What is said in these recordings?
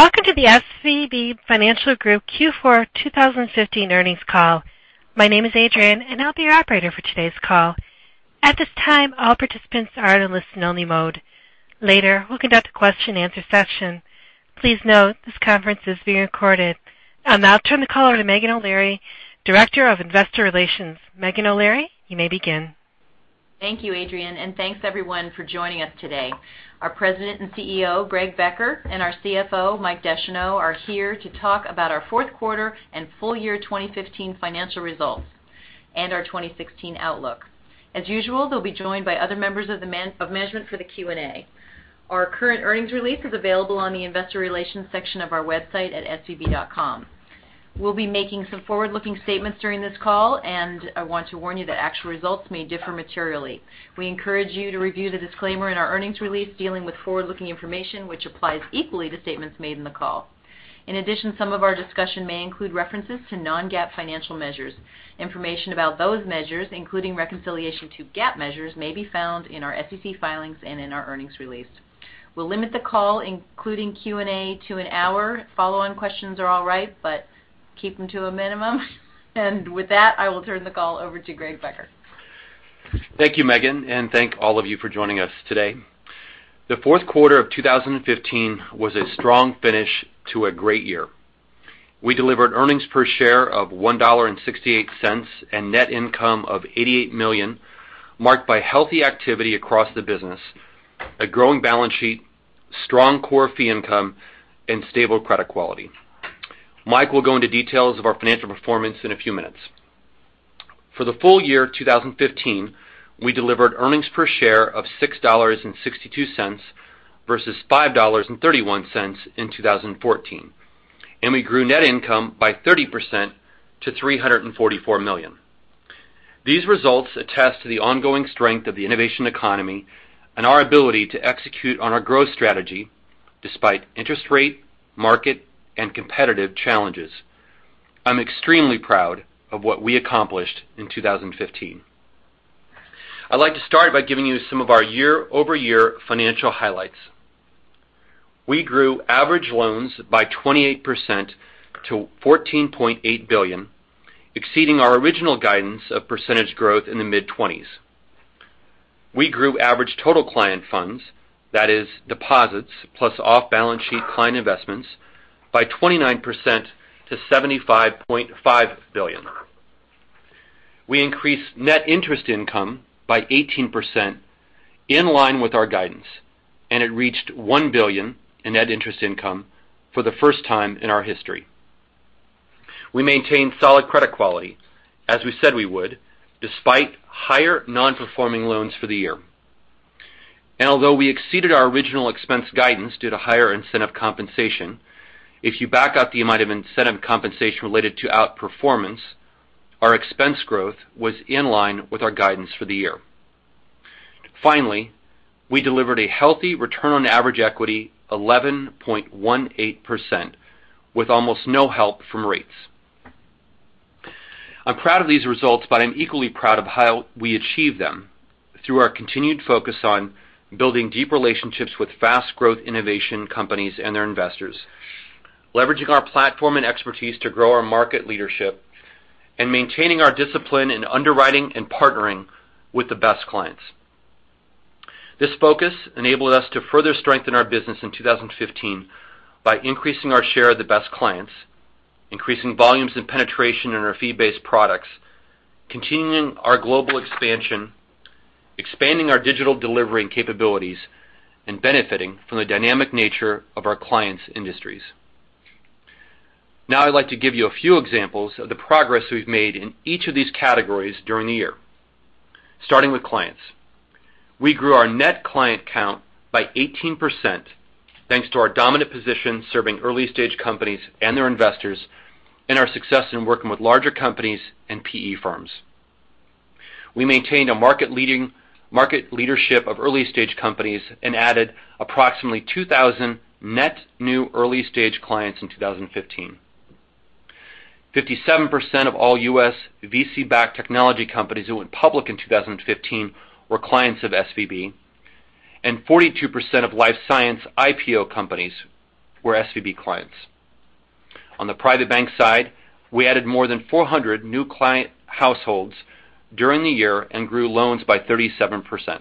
Welcome to the SVB Financial Group Q4 2015 earnings call. My name is Adrian, and I'll be your operator for today's call. At this time, all participants are in listen only mode. Later, we'll conduct a question and answer session. Please note this conference is being recorded. I'll now turn the call over to Meghan O'Leary, Director of Investor Relations. Meghan O'Leary, you may begin. Thank you, Adrian, thanks everyone for joining us today. Our President and CEO, Greg Becker, and our CFO, Michael Descheneaux, are here to talk about our fourth quarter and full year 2015 financial results and our 2016 outlook. As usual, they'll be joined by other members of management for the Q&A. Our current earnings release is available on the investor relations section of our website at svb.com. We'll be making some forward-looking statements during this call, I want to warn you that actual results may differ materially. We encourage you to review the disclaimer in our earnings release dealing with forward-looking information, which applies equally to statements made in the call. In addition, some of our discussion may include references to non-GAAP financial measures. Information about those measures, including reconciliation to GAAP measures, may be found in our SEC filings and in our earnings release. We'll limit the call, including Q&A, to an hour. Follow-on questions are all right, but keep them to a minimum. With that, I will turn the call over to Greg Becker. Thank you, Meghan, thank all of you for joining us today. The fourth quarter of 2015 was a strong finish to a great year. We delivered earnings per share of $1.68 and net income of $88 million, marked by healthy activity across the business, a growing balance sheet, strong core fee income, and stable credit quality. Michael will go into details of our financial performance in a few minutes. For the full year 2015, we delivered earnings per share of $6.62 versus $5.31 in 2014, we grew net income by 30% to $344 million. These results attest to the ongoing strength of the innovation economy and our ability to execute on our growth strategy despite interest rate, market, and competitive challenges. I'm extremely proud of what we accomplished in 2015. I'd like to start by giving you some of our year-over-year financial highlights. We grew average loans by 28% to $14.8 billion, exceeding our original guidance of percentage growth in the mid-20s. We grew average total client funds, that is deposits plus off-balance sheet client investments, by 29% to $75.5 billion. We increased net interest income by 18% in line with our guidance, and it reached $1 billion in net interest income for the first time in our history. We maintained solid credit quality, as we said we would, despite higher non-performing loans for the year. Although we exceeded our original expense guidance due to higher incentive compensation, if you back out the amount of incentive compensation related to outperformance, our expense growth was in line with our guidance for the year. Finally, we delivered a healthy return on average equity 11.18% with almost no help from rates. I'm proud of these results, I'm equally proud of how we achieved them through our continued focus on building deep relationships with fast growth innovation companies and their investors, leveraging our platform and expertise to grow our market leadership, and maintaining our discipline in underwriting and partnering with the best clients. This focus enabled us to further strengthen our business in 2015 by increasing our share of the best clients, increasing volumes and penetration in our fee-based products, continuing our global expansion, expanding our digital delivery and capabilities, and benefiting from the dynamic nature of our clients' industries. I'd like to give you a few examples of the progress we've made in each of these categories during the year, starting with clients. We grew our net client count by 18% thanks to our dominant position serving early-stage companies and their investors, and our success in working with larger companies and PE firms. We maintained a market leadership of early-stage companies and added approximately 2,000 net new early-stage clients in 2015. 57% of all U.S. VC-backed technology companies who went public in 2015 were clients of SVB, and 42% of life science IPO companies were SVB clients. On the private bank side, we added more than 400 new client households during the year and grew loans by 37%.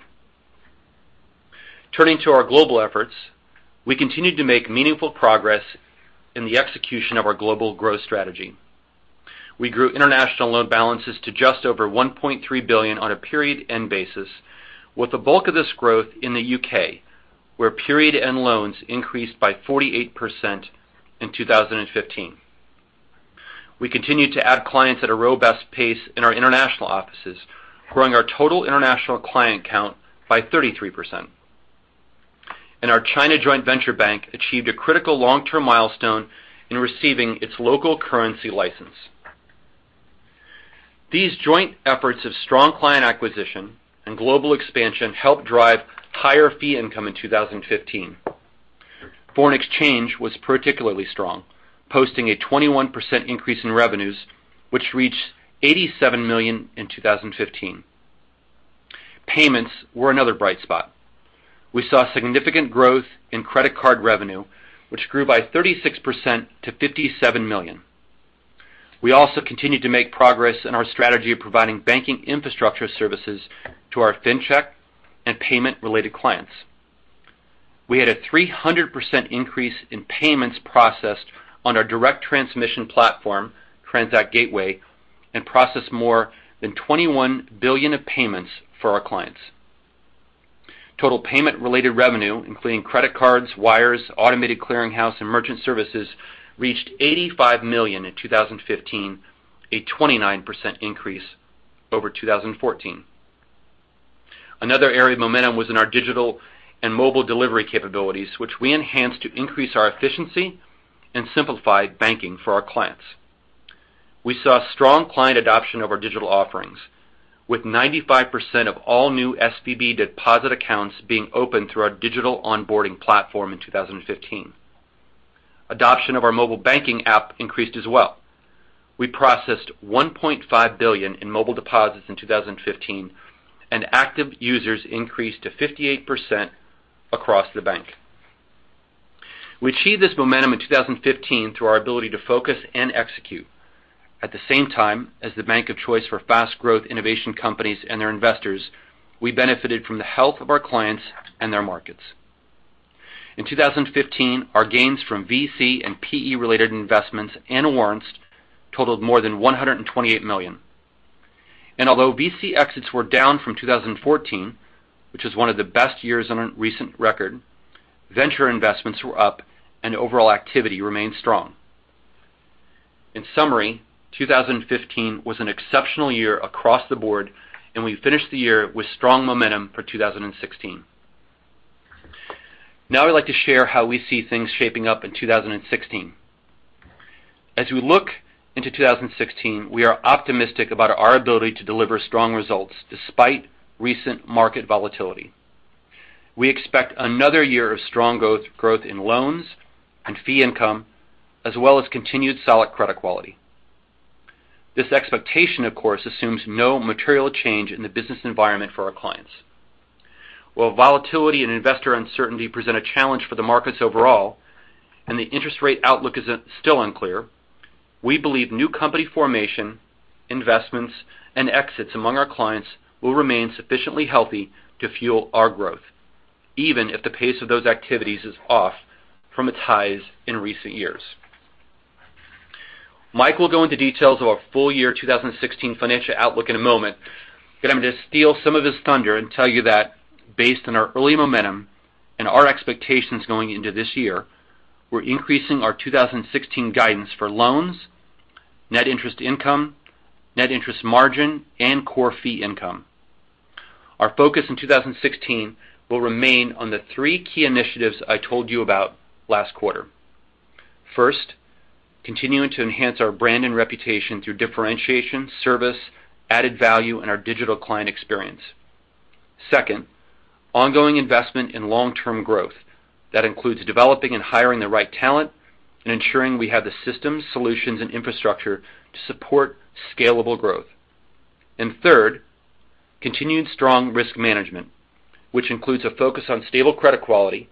Turning to our global efforts, we continued to make meaningful progress in the execution of our global growth strategy. We grew international loan balances to just over $1.3 billion on a period end basis with the bulk of this growth in the U.K., where period end loans increased by 48% in 2015. We continued to add clients at a robust pace in our international offices, growing our total international client count by 33%. Our China joint venture bank achieved a critical long-term milestone in receiving its local currency license. These joint efforts of strong client acquisition and global expansion helped drive higher fee income in 2015. Foreign exchange was particularly strong, posting a 21% increase in revenues, which reached $87 million in 2015. Payments were another bright spot. We saw significant growth in credit card revenue, which grew by 36% to $57 million. We also continued to make progress in our strategy of providing banking infrastructure services to our FinTech and payment-related clients. We had a 300% increase in payments processed on our direct transmission platform, Transact Gateway, and processed more than $21 billion of payments for our clients. Total payment-related revenue, including credit cards, wires, automated clearing house, and merchant services, reached $85 million in 2015, a 29% increase over 2014. Another area of momentum was in our digital and mobile delivery capabilities, which we enhanced to increase our efficiency and simplify banking for our clients. We saw strong client adoption of our digital offerings, with 95% of all new SVB deposit accounts being opened through our digital onboarding platform in 2015. Adoption of our mobile banking app increased as well. We processed $1.5 billion in mobile deposits in 2015, and active users increased to 58% across the bank. We achieved this momentum in 2015 through our ability to focus and execute. At the same time, as the bank of choice for fast growth innovation companies and their investors, we benefited from the health of our clients and their markets. In 2015, our gains from VC and PE related investments and warrants totaled more than $128 million. Although VC exits were down from 2014, which was one of the best years on a recent record, venture investments were up and overall activity remained strong. In summary, 2015 was an exceptional year across the board, and we finished the year with strong momentum for 2016. Now I'd like to share how we see things shaping up in 2016. As we look into 2016, we are optimistic about our ability to deliver strong results despite recent market volatility. We expect another year of strong growth in loans and fee income, as well as continued solid credit quality. This expectation, of course, assumes no material change in the business environment for our clients. While volatility and investor uncertainty present a challenge for the markets overall, and the interest rate outlook is still unclear, we believe new company formation, investments, and exits among our clients will remain sufficiently healthy to fuel our growth, even if the pace of those activities is off from its highs in recent years. Mike will go into details of our full year 2016 financial outlook in a moment, I'm going to steal some of his thunder and tell you that based on our early momentum and our expectations going into this year, we're increasing our 2016 guidance for loans, net interest income, net interest margin, and core fee income. Our focus in 2016 will remain on the three key initiatives I told you about last quarter. First, continuing to enhance our brand and reputation through differentiation, service, added value, and our digital client experience. Second, ongoing investment in long-term growth. That includes developing and hiring the right talent and ensuring we have the systems, solutions, and infrastructure to support scalable growth. Third, continued strong risk management, which includes a focus on stable credit quality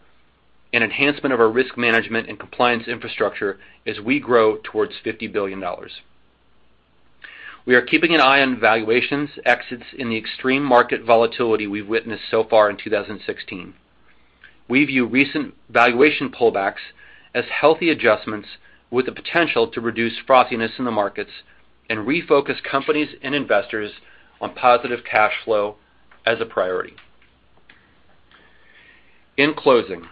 and enhancement of our risk management and compliance infrastructure as we grow towards $50 billion. We are keeping an eye on valuations, exits in the extreme market volatility we've witnessed so far in 2016. We view recent valuation pullbacks as healthy adjustments with the potential to reduce frothiness in the markets and refocus companies and investors on positive cash flow as a priority. In closing,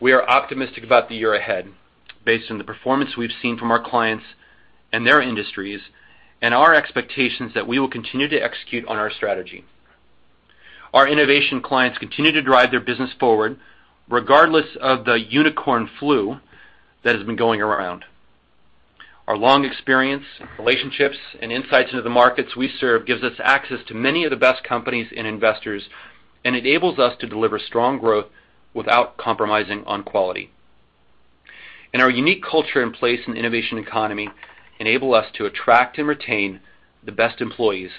we are optimistic about the year ahead based on the performance we've seen from our clients and their industries and our expectations that we will continue to execute on our strategy. Our innovation clients continue to drive their business forward regardless of the unicorn flu that has been going around. Our long experience, relationships, and insights into the markets we serve gives us access to many of the best companies and investors and enables us to deliver strong growth without compromising on quality. Our unique culture in place and innovation economy enable us to attract and retain the best employees,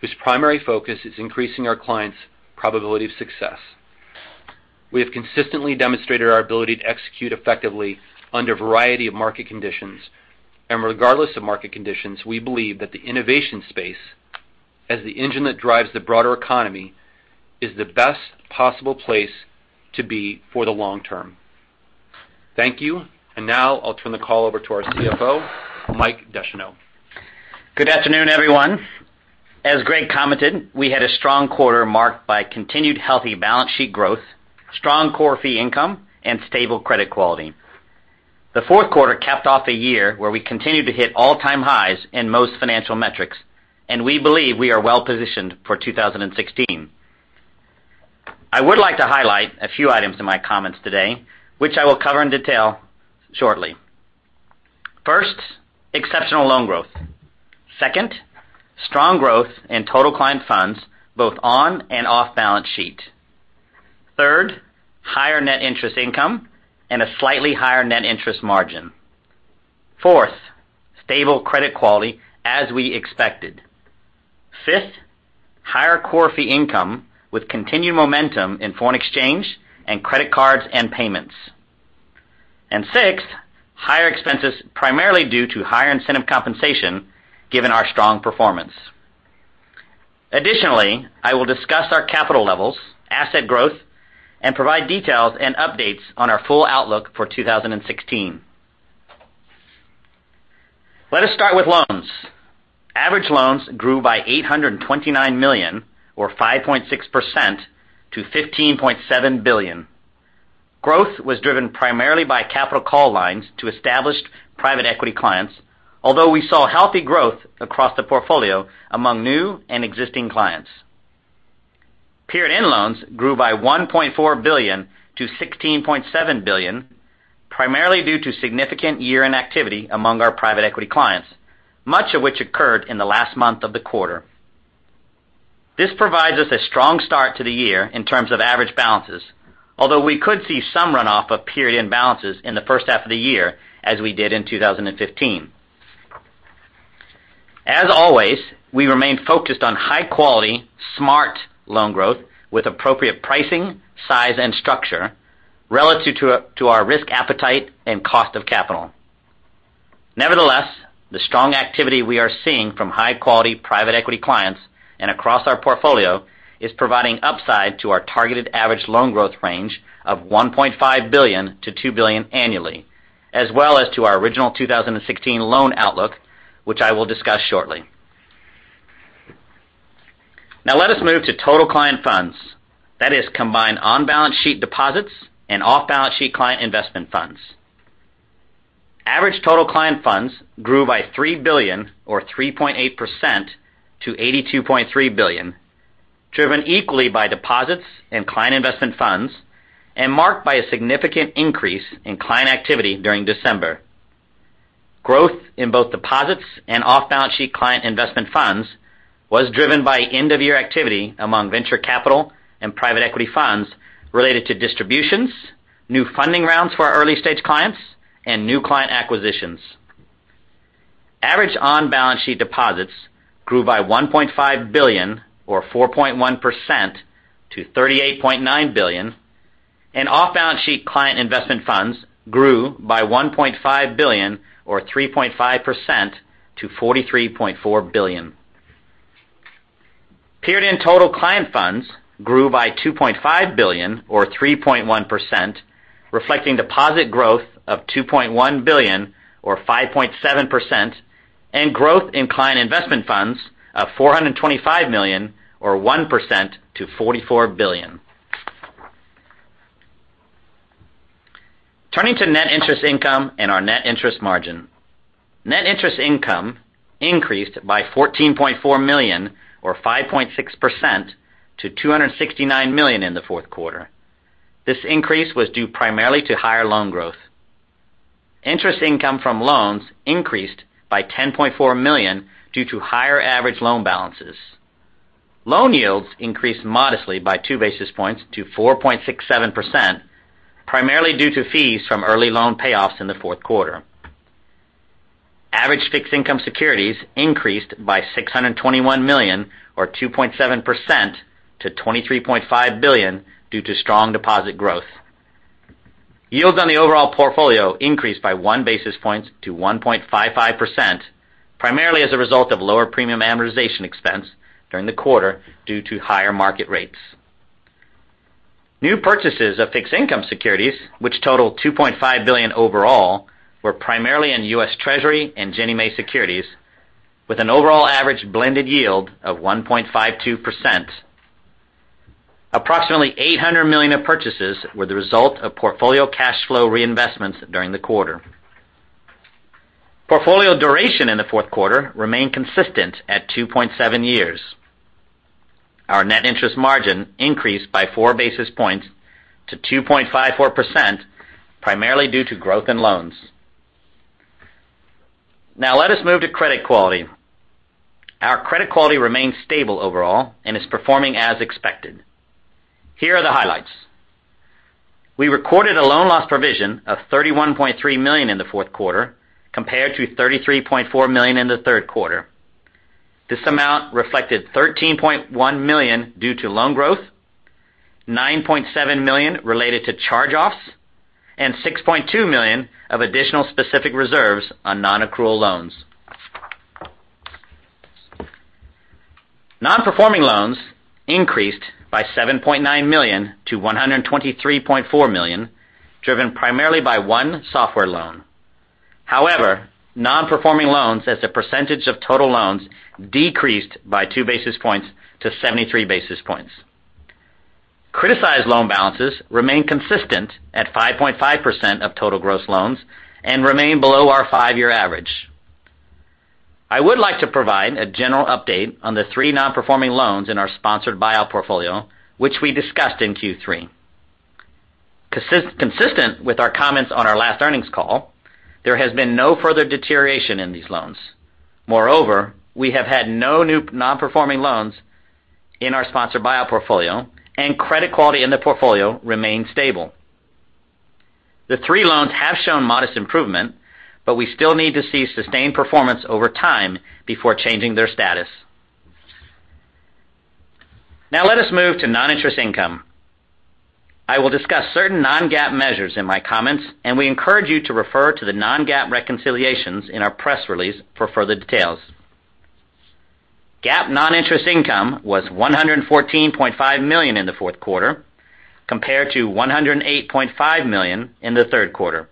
whose primary focus is increasing our clients' probability of success. We have consistently demonstrated our ability to execute effectively under a variety of market conditions. Regardless of market conditions, we believe that the innovation space, as the engine that drives the broader economy, is the best possible place to be for the long term. Thank you. Now I'll turn the call over to our CFO, Mike Descheneaux. Good afternoon, everyone. As Greg commented, we had a strong quarter marked by continued healthy balance sheet growth, strong core fee income, and stable credit quality. The fourth quarter capped off a year where we continued to hit all-time highs in most financial metrics, and we believe we are well-positioned for 2016. I would like to highlight a few items in my comments today, which I will cover in detail shortly. First, exceptional loan growth. Second, strong growth in total client funds, both on and off balance sheet. Third, higher net interest income and a slightly higher net interest margin. Fourth, stable credit quality as we expected. Fifth, higher core fee income with continued momentum in foreign exchange and credit cards and payments. Sixth, higher expenses primarily due to higher incentive compensation given our strong performance. Additionally, I will discuss our capital levels, asset growth, and provide details and updates on our full outlook for 2016. Let us start with loans. Average loans grew by $829 million or 5.6% to $15.7 billion. Growth was driven primarily by capital call lines to established private equity clients, although we saw healthy growth across the portfolio among new and existing clients. Period-end loans grew by $1.4 billion to $16.7 billion, primarily due to significant year-end activity among our private equity clients, much of which occurred in the last month of the quarter. This provides us a strong start to the year in terms of average balances. Although we could see some runoff of period-end balances in the first half of the year, as we did in 2015. As always, we remain focused on high quality, smart loan growth with appropriate pricing, size, and structure relative to our risk appetite and cost of capital. Nevertheless, the strong activity we are seeing from high quality private equity clients and across our portfolio is providing upside to our targeted average loan growth range of $1.5 billion-$2 billion annually, as well as to our original 2016 loan outlook, which I will discuss shortly. Let us move to total client funds. That is combined on-balance sheet deposits and off-balance sheet client investment funds. Average total client funds grew by $3 billion or 3.8% to $82.3 billion, driven equally by deposits and client investment funds and marked by a significant increase in client activity during December. Growth in both deposits and off-balance sheet client investment funds was driven by end-of-year activity among venture capital and private equity funds related to distributions, new funding rounds for our early-stage clients, and new client acquisitions. Average on-balance sheet deposits grew by $1.5 billion or 4.1% to $38.9 billion, and off-balance sheet client investment funds grew by $1.5 billion or 3.5% to $43.4 billion. Period-end total client funds grew by $2.5 billion or 3.1%, reflecting deposit growth of $2.1 billion or 5.7%, and growth in client investment funds of $425 million or 1% to $44 billion. Turning to net interest income and our net interest margin. Net interest income increased by $14.4 million or 5.6% to $269 million in the fourth quarter. This increase was due primarily to higher loan growth. Interest income from loans increased by $10.4 million due to higher average loan balances. Loan yields increased modestly by two basis points to 4.67%, primarily due to fees from early loan payoffs in the fourth quarter. Average fixed income securities increased by $621 million or 2.7% to $23.5 billion due to strong deposit growth. Yields on the overall portfolio increased by one basis point to 1.55%, primarily as a result of lower premium amortization expense during the quarter due to higher market rates. New purchases of fixed income securities, which totaled $2.5 billion overall, were primarily in U.S. Treasury and Ginnie Mae securities, with an overall average blended yield of 1.52%. Approximately $800 million of purchases were the result of portfolio cash flow reinvestments during the quarter. Portfolio duration in the fourth quarter remained consistent at 2.7 years. Our net interest margin increased by four basis points to 2.54%, primarily due to growth in loans. Let us move to credit quality. Our credit quality remains stable overall and is performing as expected. Here are the highlights. We recorded a loan loss provision of $31.3 million in the fourth quarter, compared to $33.4 million in the third quarter. This amount reflected $13.1 million due to loan growth, $9.7 million related to charge-offs, and $6.2 million of additional specific reserves on non-accrual loans. Non-performing loans increased by $7.9 million to $123.4 million, driven primarily by one software loan. However, non-performing loans as a percentage of total loans decreased by two basis points to 73 basis points. Criticized loan balances remain consistent at 5.5% of total gross loans and remain below our five-year average. I would like to provide a general update on the three non-performing loans in our sponsored buyout portfolio, which we discussed in Q3. Consistent with our comments on our last earnings call, there has been no further deterioration in these loans. Moreover, we have had no new non-performing loans in our sponsored buyout portfolio and credit quality in the portfolio remains stable. The three loans have shown modest improvement, but we still need to see sustained performance over time before changing their status. Let us move to non-interest income. I will discuss certain non-GAAP measures in my comments. We encourage you to refer to the non-GAAP reconciliations in our press release for further details. GAAP non-interest income was $114.5 million in the fourth quarter compared to $108.5 million in the third quarter.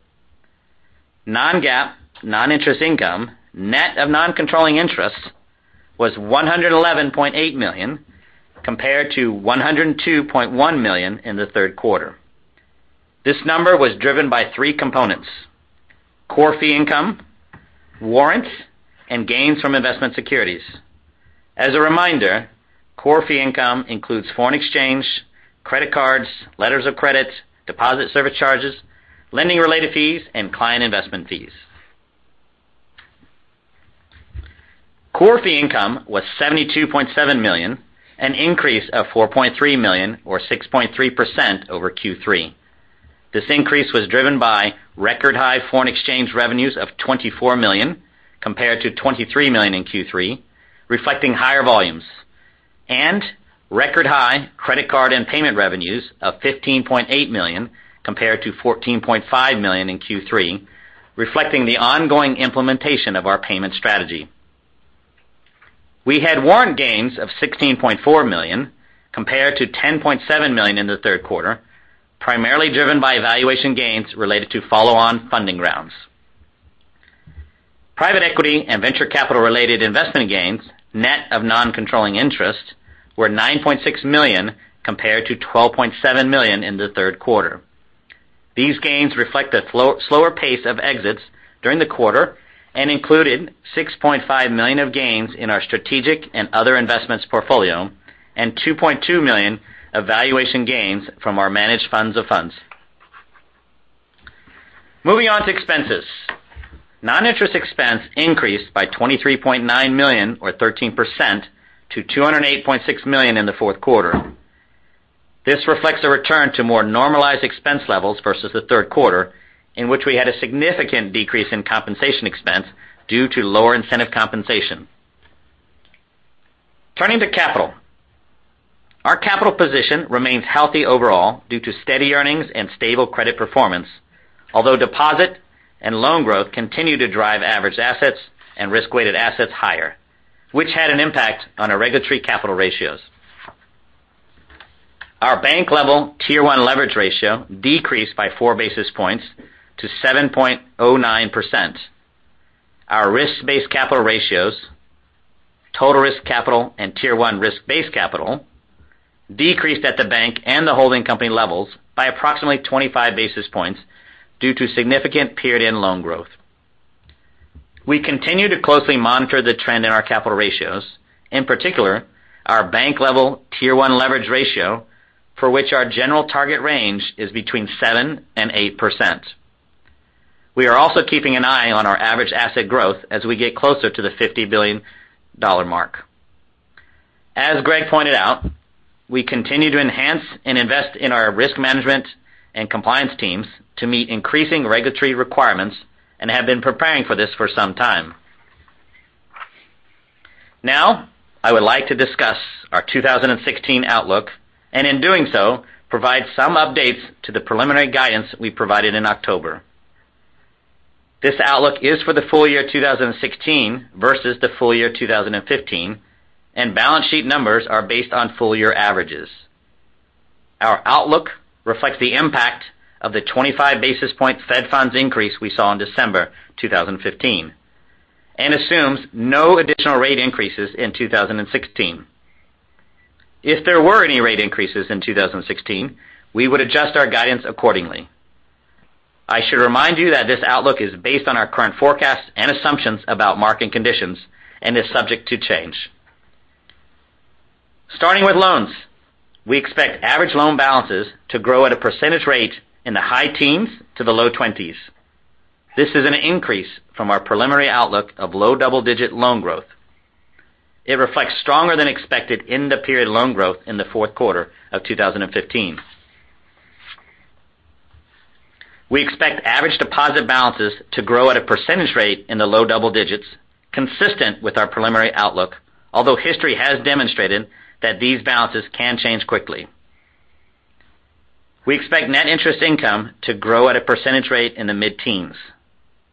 Non-GAAP non-interest income, net of non-controlling interest, was $111.8 million, compared to $102.1 million in the third quarter. This number was driven by three components: Core fee income, warrants, and gains from investment securities. As a reminder, core fee income includes foreign exchange, credit cards, letters of credit, deposit service charges, lending related fees, and client investment fees. Core fee income was $72.7 million, an increase of $4.3 million or 6.3% over Q3. This increase was driven by record high foreign exchange revenues of $24 million compared to $23 million in Q3, reflecting higher volumes. Record high credit card and payment revenues of $15.8 million compared to $14.5 million in Q3, reflecting the ongoing implementation of our payment strategy. We had warrant gains of $16.4 million compared to $10.7 million in the third quarter, primarily driven by valuation gains related to follow-on funding rounds. Private equity and venture capital related investment gains, net of non-controlling interest, were $9.6 million compared to $12.7 million in the third quarter. These gains reflect a slower pace of exits during the quarter and included $6.5 million of gains in our strategic and other investments portfolio and $2.2 million of valuation gains from our managed funds of funds. Moving on to expenses. Non-interest expense increased by $23.9 million or 13% to $208.6 million in the fourth quarter. This reflects a return to more normalized expense levels versus the third quarter, in which we had a significant decrease in compensation expense due to lower incentive compensation. Turning to capital. Our capital position remains healthy overall due to steady earnings and stable credit performance, although deposit and loan growth continue to drive average assets and risk-weighted assets higher, which had an impact on our regulatory capital ratios. Our bank level Tier 1 leverage ratio decreased by four basis points to 7.09%. Our risk-based capital ratios, total risk capital and Tier 1 risk-based capital, decreased at the bank and the holding company levels by approximately 25 basis points due to significant period and loan growth. We continue to closely monitor the trend in our capital ratios, in particular, our bank level Tier 1 leverage ratio, for which our general target range is between 7% and 8%. We are also keeping an eye on our average asset growth as we get closer to the $50 billion mark. As Greg pointed out, we continue to enhance and invest in our risk management and compliance teams to meet increasing regulatory requirements and have been preparing for this for some time. I would like to discuss our 2016 outlook, and in doing so, provide some updates to the preliminary guidance we provided in October. This outlook is for the full year 2016 versus the full year 2015, and balance sheet numbers are based on full year averages. Our outlook reflects the impact of the 25 basis point Fed funds increase we saw in December 2015 and assumes no additional rate increases in 2016. If there were any rate increases in 2016, we would adjust our guidance accordingly. I should remind you that this outlook is based on our current forecasts and assumptions about market conditions and is subject to change. Starting with loans. We expect average loan balances to grow at a percentage rate in the high teens to the low 20s. This is an increase from our preliminary outlook of low double-digit loan growth. It reflects stronger than expected in the period loan growth in the fourth quarter of 2015. We expect average deposit balances to grow at a percentage rate in the low double digits, consistent with our preliminary outlook, although history has demonstrated that these balances can change quickly. We expect net interest income to grow at a percentage rate in the mid-teens.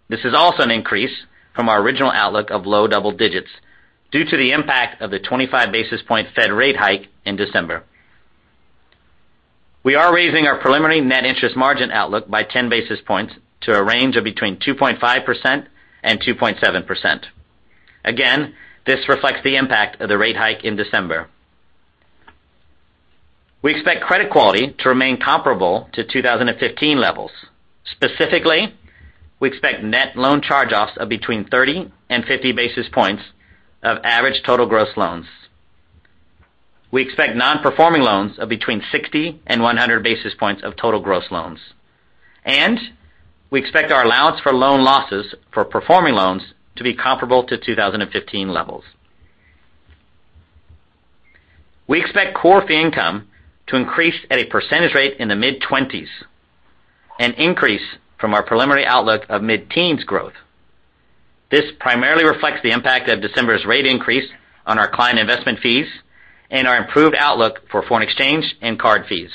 This is also an increase from our original outlook of low double digits due to the impact of the 25 basis point Fed rate hike in December. We are raising our preliminary net interest margin outlook by 10 basis points to a range of between 2.5% and 2.7%. Again, this reflects the impact of the rate hike in December. We expect credit quality to remain comparable to 2015 levels. Specifically, we expect net loan charge-offs of between 30 and 50 basis points of average total gross loans. We expect non-performing loans of between 60 and 100 basis points of total gross loans. We expect our allowance for loan losses for performing loans to be comparable to 2015 levels. We expect core fee income to increase at a percentage rate in the mid-20s, an increase from our preliminary outlook of mid-teens growth. This primarily reflects the impact of December's rate increase on our client investment fees and our improved outlook for foreign exchange and card fees.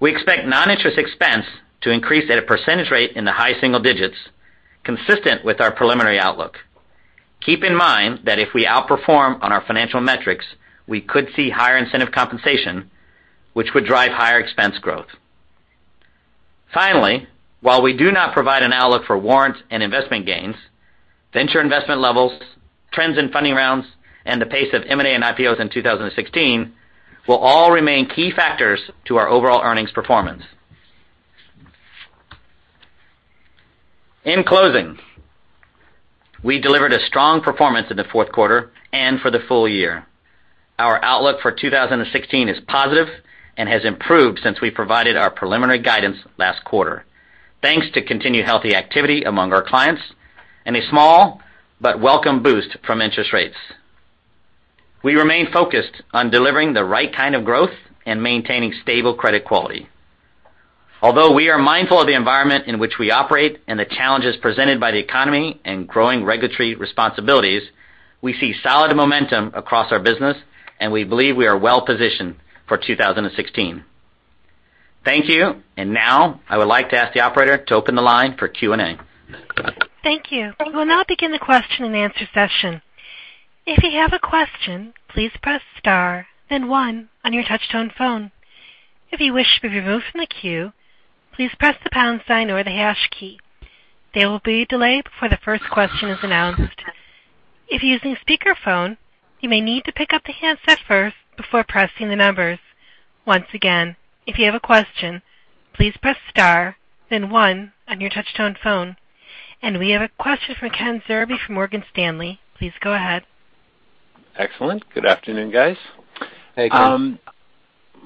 We expect non-interest expense to increase at a percentage rate in the high single digits, consistent with our preliminary outlook. Keep in mind that if we outperform on our financial metrics, we could see higher incentive compensation, which would drive higher expense growth. Finally, while we do not provide an outlook for warrants and investment gains, venture investment levels, trends in funding rounds, and the pace of M&A and IPOs in 2016 will all remain key factors to our overall earnings performance. In closing, we delivered a strong performance in the fourth quarter and for the full year. Our outlook for 2016 is positive and has improved since we provided our preliminary guidance last quarter, thanks to continued healthy activity among our clients and a small but welcome boost from interest rates. We remain focused on delivering the right kind of growth and maintaining stable credit quality. Although we are mindful of the environment in which we operate and the challenges presented by the economy and growing regulatory responsibilities, we see solid momentum across our business, and we believe we are well positioned for 2016. Thank you, and now I would like to ask the operator to open the line for Q&A. Thank you. We'll now begin the question-and-answer session. If you have a question, please press star then one on your touch-tone phone. If you wish to be removed from the queue, please press the pound sign or the hash key. There will be a delay before the first question is announced. If you're using a speakerphone, you may need to pick up the handset first before pressing the numbers. Once again, if you have a question, please press star then one on your touch-tone phone. We have a question from Kenneth Zerbe from Morgan Stanley. Please go ahead. Excellent. Good afternoon, guys. Hey, Ken.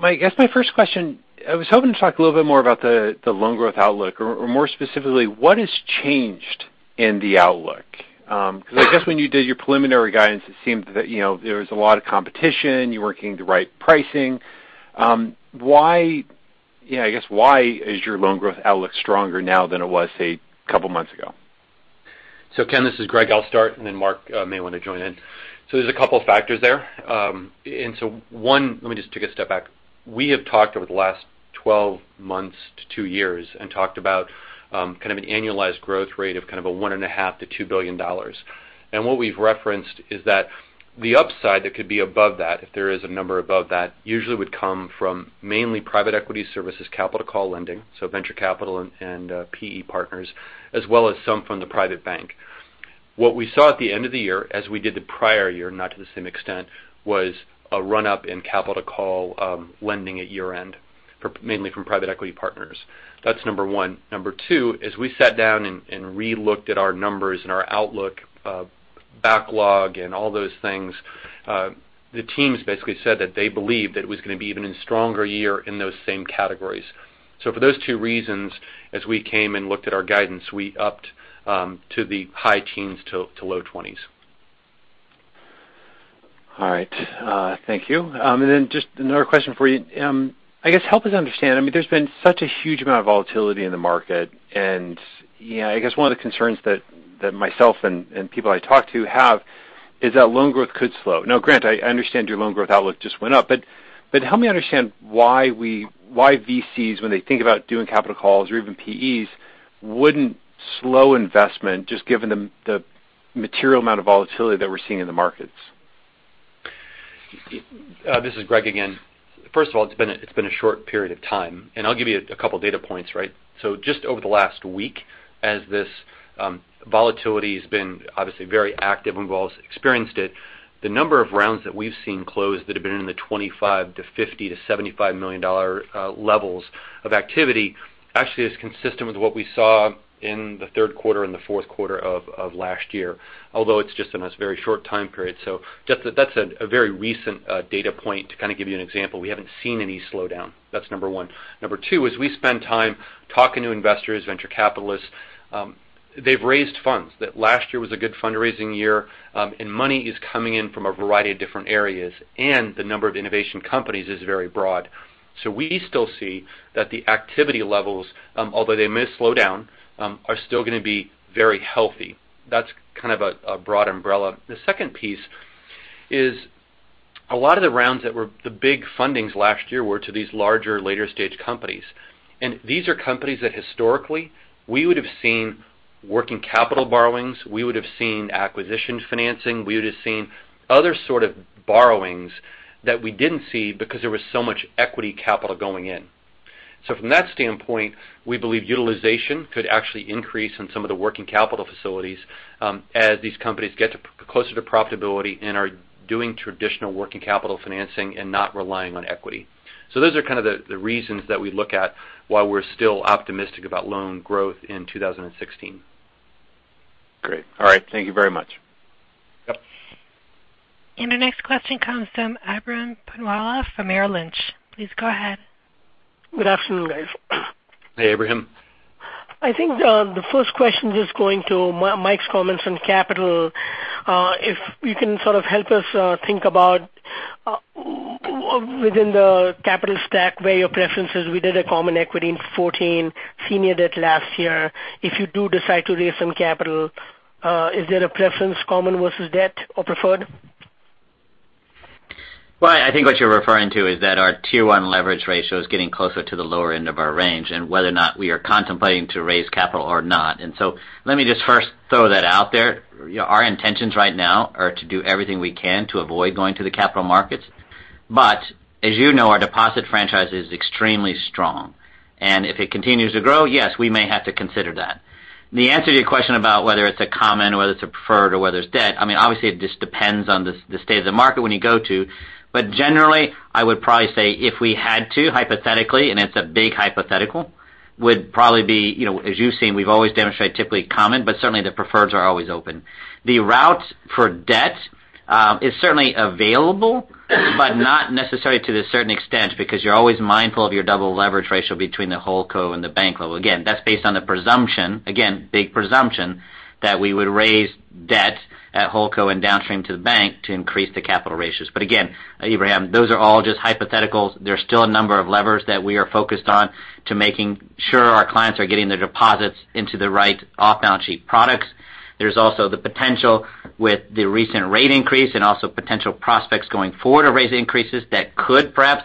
I guess my first question, I was hoping to talk a little bit more about the loan growth outlook or more specifically, what has changed in the outlook? When you did your preliminary guidance, it seemed that there was a lot of competition. You were working the right pricing. I guess why is your loan growth outlook stronger now than it was, say, a couple of months ago? Ken, this is Greg. I'll start, and then Marc may want to join in. There's a couple of factors there. One, let me just take a step back. We have talked over the last 12 months to two years and talked about kind of an annualized growth rate of kind of a $1.5 billion-$2 billion. What we've referenced is that the upside that could be above that, if there is a number above that, usually would come from mainly private equity services, capital call lending, so venture capital and PE partners, as well as some from the private bank. What we saw at the end of the year, as we did the prior year, not to the same extent, was a run-up in capital call lending at year-end, mainly from private equity partners. That's number one. Number two, as we sat down and re-looked at our numbers and our outlook, backlog, and all those things the teams basically said that they believed that it was going to be even a stronger year in those same categories. For those two reasons, as we came and looked at our guidance, we upped to the high teens to low 20s. All right. Thank you. Just another question for you. I guess help us understand, there's been such a huge amount of volatility in the market, and I guess one of the concerns that myself and people I talk to have is that loan growth could slow. Now, granted, I understand your loan growth outlook just went up, but help me understand why VCs, when they think about doing capital calls or even PEs, wouldn't slow investment just given the material amount of volatility that we're seeing in the markets. This is Greg again. First of all, it's been a short period of time, I'll give you a couple data points. Just over the last week, as this volatility has been obviously very active and we've all experienced it, the number of rounds that we've seen closed that have been in the $25 to $50 to $75 million levels of activity actually is consistent with what we saw in the third quarter and the fourth quarter of last year, although it's just in this very short time period. That's a very recent data point to kind of give you an example. We haven't seen any slowdown. That's number one. Number two is we spend time talking to investors, venture capitalists. They've raised funds. Last year was a good fundraising year, money is coming in from a variety of different areas, the number of innovation companies is very broad. We still see that the activity levels, although they may slow down, are still going to be very healthy. That's kind of a broad umbrella. The second piece is a lot of the rounds that were the big fundings last year were to these larger later-stage companies. These are companies that historically we would have seen working capital borrowings. We would have seen acquisition financing. We would have seen other sort of borrowings that we didn't see because there was so much equity capital going in. From that standpoint, we believe utilization could actually increase in some of the working capital facilities as these companies get closer to profitability and are doing traditional working capital financing and not relying on equity. Those are kind of the reasons that we look at why we're still optimistic about loan growth in 2016. Great. All right. Thank you very much. Our next question comes from Ebrahim Poonawala from Merrill Lynch. Please go ahead. Good afternoon, guys. Hey, Ebrahim. I think the first question just going to Mike's comments on capital. If you can sort of help us think about within the capital stack where your preference is. We did a common equity in 2014, senior debt last year. If you do decide to raise some capital, is there a preference common versus debt or preferred? Well, I think what you're referring to is that our Tier 1 leverage ratio is getting closer to the lower end of our range and whether or not we are contemplating to raise capital or not. Let me just first throw that out there. Our intentions right now are to do everything we can to avoid going to the capital markets. As you know, our deposit franchise is extremely strong. If it continues to grow, yes, we may have to consider that. The answer to your question about whether it's a common or whether it's a preferred or whether it's debt, obviously it just depends on the state of the market when you go to. Generally, I would probably say if we had to, hypothetically, and it's a big hypothetical, would probably be, as you've seen, we've always demonstrated typically common, but certainly the preferreds are always open. The route for debt, is certainly available, but not necessarily to the certain extent because you're always mindful of your double leverage ratio between the holdco and the bank level. That's based on the presumption, again, big presumption that we would raise debt at holdco and downstream to the bank to increase the capital ratios. Again, Ebrahim, those are all just hypotheticals. There's still a number of levers that we are focused on to making sure our clients are getting their deposits into the right off-balance-sheet products. There's also the potential with the recent rate increase and also potential prospects going forward of rate increases that could perhaps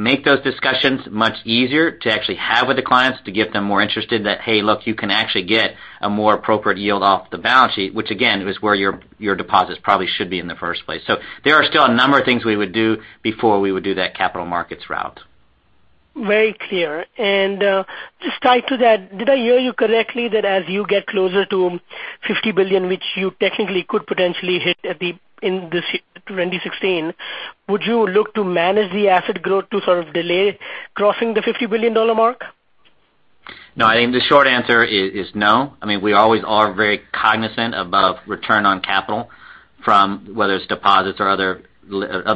make those discussions much easier to actually have with the clients to get them more interested that, hey, look, you can actually get a more appropriate yield off the balance sheet, which again, is where your deposits probably should be in the first place. There are still a number of things we would do before we would do that capital markets route. Very clear. Just tied to that, did I hear you correctly that as you get closer to $50 billion, which you technically could potentially hit in 2016, would you look to manage the asset growth to sort of delay crossing the $50 billion mark? No, I think the short answer is no. We always are very cognizant about return on capital from whether it's deposits or other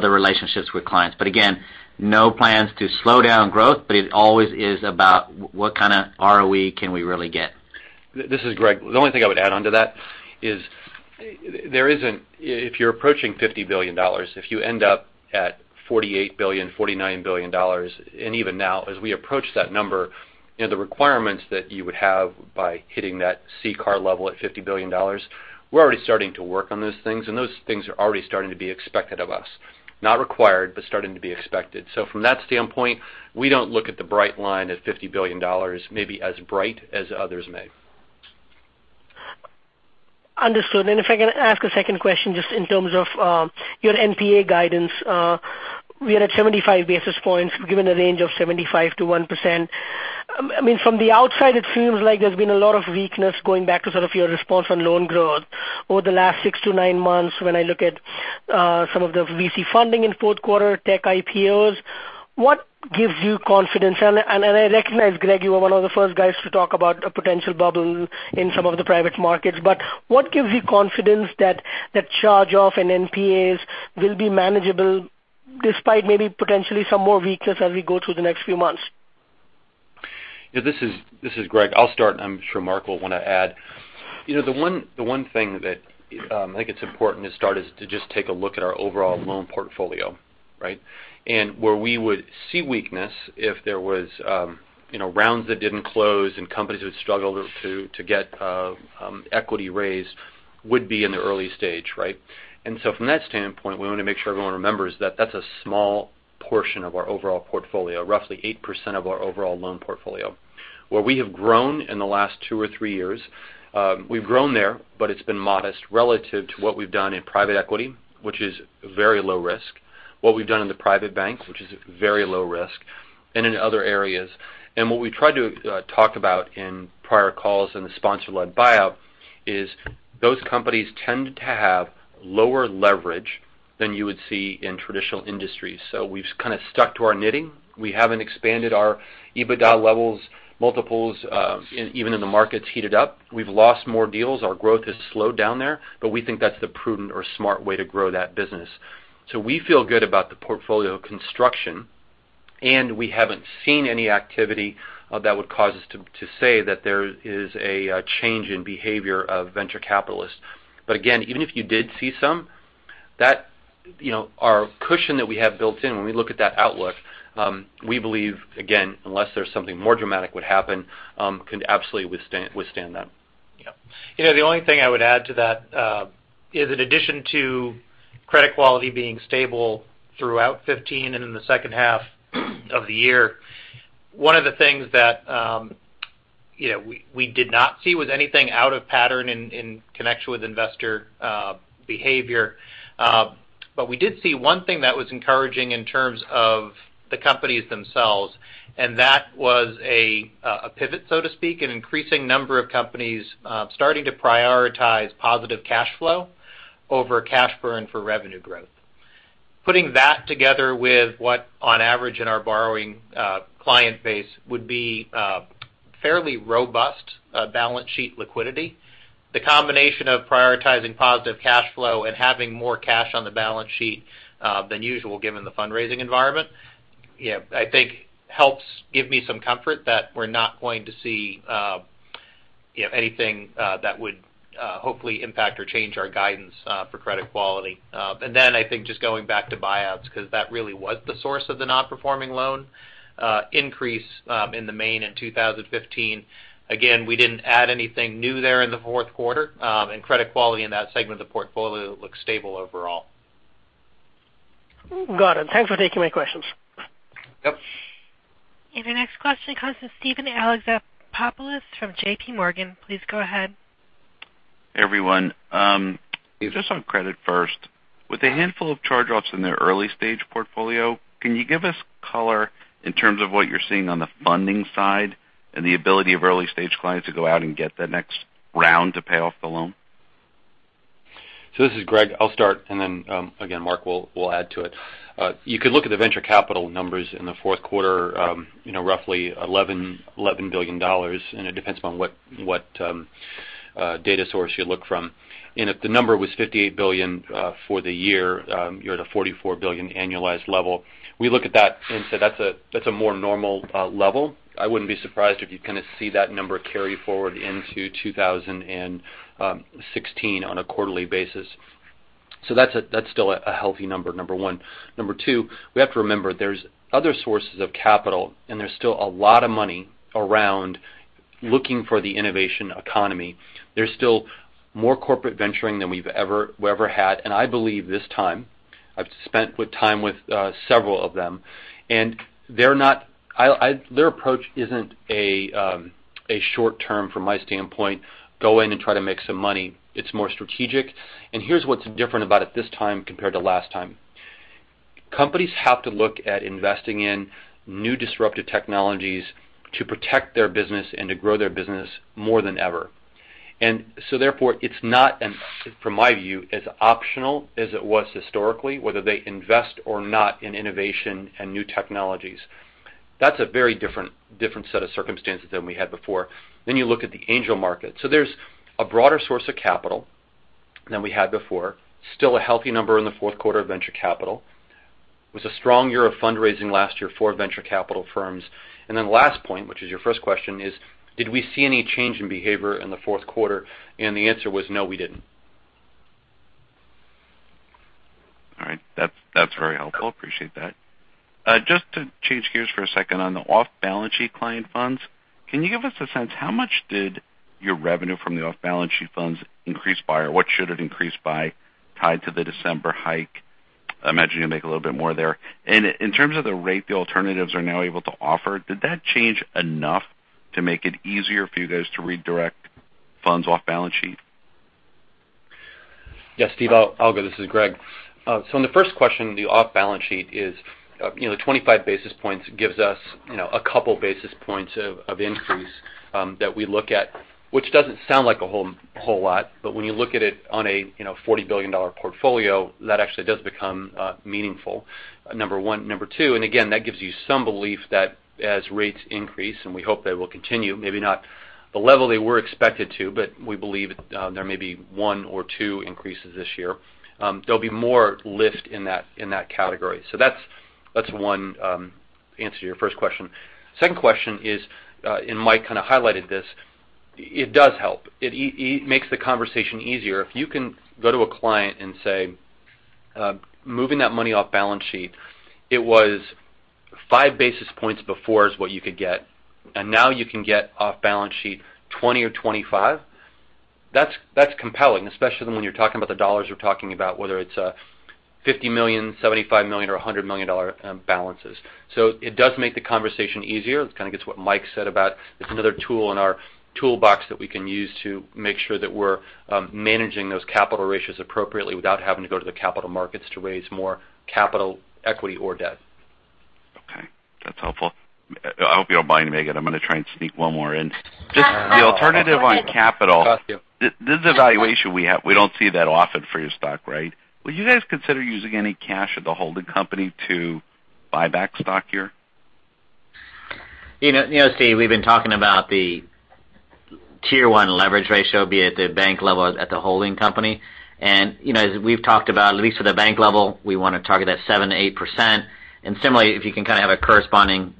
relationships with clients. Again, no plans to slow down growth, but it always is about what kind of ROE can we really get. This is Greg. The only thing I would add onto that is if you're approaching $50 billion, if you end up at $48 billion, $49 billion, and even now as we approach that number, the requirements that you would have by hitting that CCAR level at $50 billion, we're already starting to work on those things, and those things are already starting to be expected of us. Not required, but starting to be expected. From that standpoint, we don't look at the bright line at $50 billion, maybe as bright as others may. Understood. If I can ask a second question, just in terms of your NPA guidance. We are at 75 basis points given a range of 75 basis points to 1%. From the outside, it seems like there's been a lot of weakness going back to sort of your response on loan growth over the last 6-9 months when I look at some of the VC funding in fourth quarter tech IPOs. What gives you confidence? I recognize, Greg, you were one of the first guys to talk about a potential bubble in some of the private markets, but what gives you confidence that charge-off and NPAs will be manageable despite maybe potentially some more weakness as we go through the next few months? This is Greg. I will start, and I am sure Marc will want to add. The one thing that I think it is important to start is to just take a look at our overall loan portfolio, right? Where we would see weakness if there were rounds that did not close and companies would struggle to get equity raised would be in the early stage, right? From that standpoint, we want to make sure everyone remembers that that is a small portion of our overall portfolio, roughly 8% of our overall loan portfolio. Where we have grown in the last two or three years, we have grown there, but it has been modest relative to what we have done in private equity, which is very low risk. What we have done in the private bank, which is very low risk, and in other areas. What we tried to talk about in prior calls in the sponsor-led buyout is those companies tend to have lower leverage than you would see in traditional industries. We have kind of stuck to our knitting. We have not expanded our EBITDA levels multiples, even in the markets heated up. We have lost more deals. Our growth has slowed down there, but we think that is the prudent or smart way to grow that business. We feel good about the portfolio construction, and we have not seen any activity that would cause us to say that there is a change in behavior of venture capitalists. Again, even if you did see some, our cushion that we have built in when we look at that outlook, we believe, again, unless there is something more dramatic would happen, could absolutely withstand that. The only thing I would add to that is in addition to credit quality being stable throughout 2015 and in the second half of the year, one of the things that we did not see was anything out of pattern in connection with investor behavior. We did see one thing that was encouraging in terms of the companies themselves, and that was a pivot, so to speak, an increasing number of companies starting to prioritize positive cash flow over cash burn for revenue growth. Putting that together with what on average in our borrowing client base would be fairly robust balance sheet liquidity. The combination of prioritizing positive cash flow and having more cash on the balance sheet than usual, given the fundraising environment, I think helps give me some comfort that we are not going to see anything that would hopefully impact or change our guidance for credit quality. I think just going back to buyouts, because that really was the source of the non-performing loan increase in the main in 2015. Again, we did not add anything new there in the fourth quarter, and credit quality in that segment of the portfolio looks stable overall. Got it. Thanks for taking my questions. Yep. Your next question comes from Steven Alexopoulos from JPMorgan. Please go ahead. Everyone. Just on credit first, with a handful of charge-offs in their early-stage portfolio, can you give us color in terms of what you're seeing on the funding side and the ability of early-stage clients to go out and get the next round to pay off the loan? This is Greg. I'll start and then again, Marc will add to it. You could look at the venture capital numbers in the fourth quarter, roughly $11 billion, it depends upon what data source you look from. If the number was $58 billion for the year, you're at a $44 billion annualized level. We look at that and say that's a more normal level. I wouldn't be surprised if you kind of see that number carry forward into 2016 on a quarterly basis. That's still a healthy number one. Number two, we have to remember there's other sources of capital and there's still a lot of money around looking for the innovation economy. There's still more corporate venturing than we've ever had. I believe this time, I've spent time with several of them, and their approach isn't a short term from my standpoint. Go in and try to make some money. It's more strategic. Here's what's different about it this time compared to last time. Companies have to look at investing in new disruptive technologies to protect their business and to grow their business more than ever. Therefore, it's not, from my view, as optional as it was historically, whether they invest or not in innovation and new technologies. That's a very different set of circumstances than we had before. You look at the angel market. There's a broader source of capital than we had before. Still a healthy number in the fourth quarter of venture capital. It was a strong year of fundraising last year for venture capital firms. The last point, which is your first question, is did we see any change in behavior in the fourth quarter? The answer was no, we didn't. All right. That's very helpful. Appreciate that. Just to change gears for a second on the off-balance sheet client funds, can you give us a sense how much did your revenue from the off-balance sheet funds increase by or what should it increase by tied to the December hike? I imagine you'll make a little bit more there. In terms of the rate the alternatives are now able to offer, did that change enough to make it easier for you guys to redirect funds off balance sheet? Yes, Steve. I'll go. This is Greg. In the first question, the off-balance sheet is 25 basis points gives us a couple basis points of increase that we look at, which doesn't sound like a whole lot, but when you look at it on a $40 billion portfolio, that actually does become meaningful, number one. Number two, again, that gives you some belief that as rates increase, we hope they will continue, maybe not the level they were expected to, but we believe there may be one or two increases this year. There'll be more lift in that category. That's one answer to your first question. Second question is, Mike kind of highlighted this, it does help. It makes the conversation easier. If you can go to a client and say, moving that money off balance sheet, it was five basis points before is what you could get, and now you can get off balance sheet 20 or 25. That is compelling, especially when you are talking about the dollars you are talking about, whether it is a $50 million, $75 million, or $100 million balances. It does make the conversation easier. It kind of gets what Mike said about it is another tool in our toolbox that we can use to make sure that we are managing those capital ratios appropriately without having to go to the capital markets to raise more capital equity or debt. Okay. That is helpful. I hope you do not mind me, I'm going to try and sneak one more in. Just the alternative on capital. This evaluation we do not see that often for your stock, right? Would you guys consider using any cash at the holding company to buy back stock here? You know, Steve, we have been talking about the Tier 1 leverage ratio, be it at the bank level, at the holding company. As we have talked about, at least at the bank level, we want to target that 7%-8%. Similarly, if you can kind of have a corresponding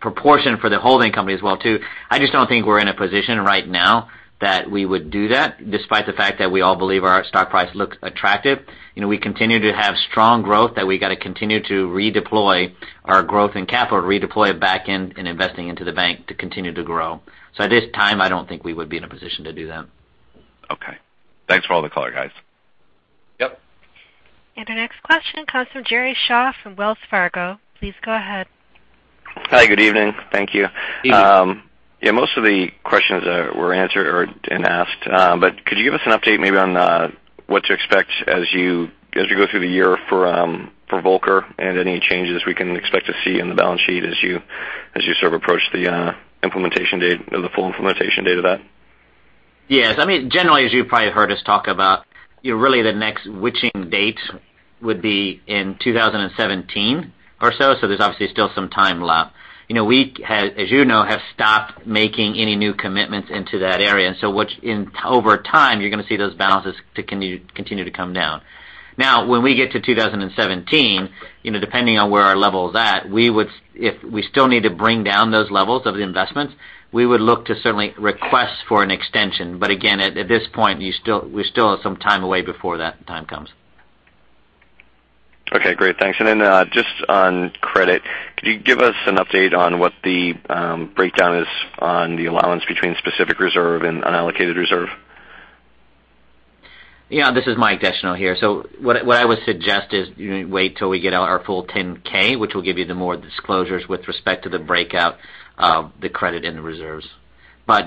proportion for the holding company as well too. I just do not think we are in a position right now that we would do that despite the fact that we all believe our stock price looks attractive. We continue to have strong growth that we got to continue to redeploy our growth in capital, redeploy it back in investing into the bank to continue to grow. So at this time, I do not think we would be in a position to do that. Okay. Thanks for all the color, guys. Yep. Our next question comes from Jared Shaw from Wells Fargo. Please go ahead. Hi, good evening. Thank you. Evening. Most of the questions were answered and asked. Could you give us an update maybe on what to expect as you go through the year for Volcker and any changes we can expect to see in the balance sheet as you sort of approach the full implementation date of that? Yes. Generally, as you've probably heard us talk about, really the next witching date would be in 2017 or so. There's obviously still some time left. We, as you know, have stopped making any new commitments into that area. Over time, you're going to see those balances continue to come down. Now, when we get to 2017, depending on where our level's at, if we still need to bring down those levels of the investments, we would look to certainly request for an extension. Again, at this point, we still have some time away before that time comes. Okay, great. Thanks. Just on credit, could you give us an update on what the breakdown is on the allowance between specific reserve and unallocated reserve? Yeah. This is Michael Descheneaux here. What I would suggest is wait till we get our full 10-K, which will give you the more disclosures with respect to the breakout of the credit and the reserves.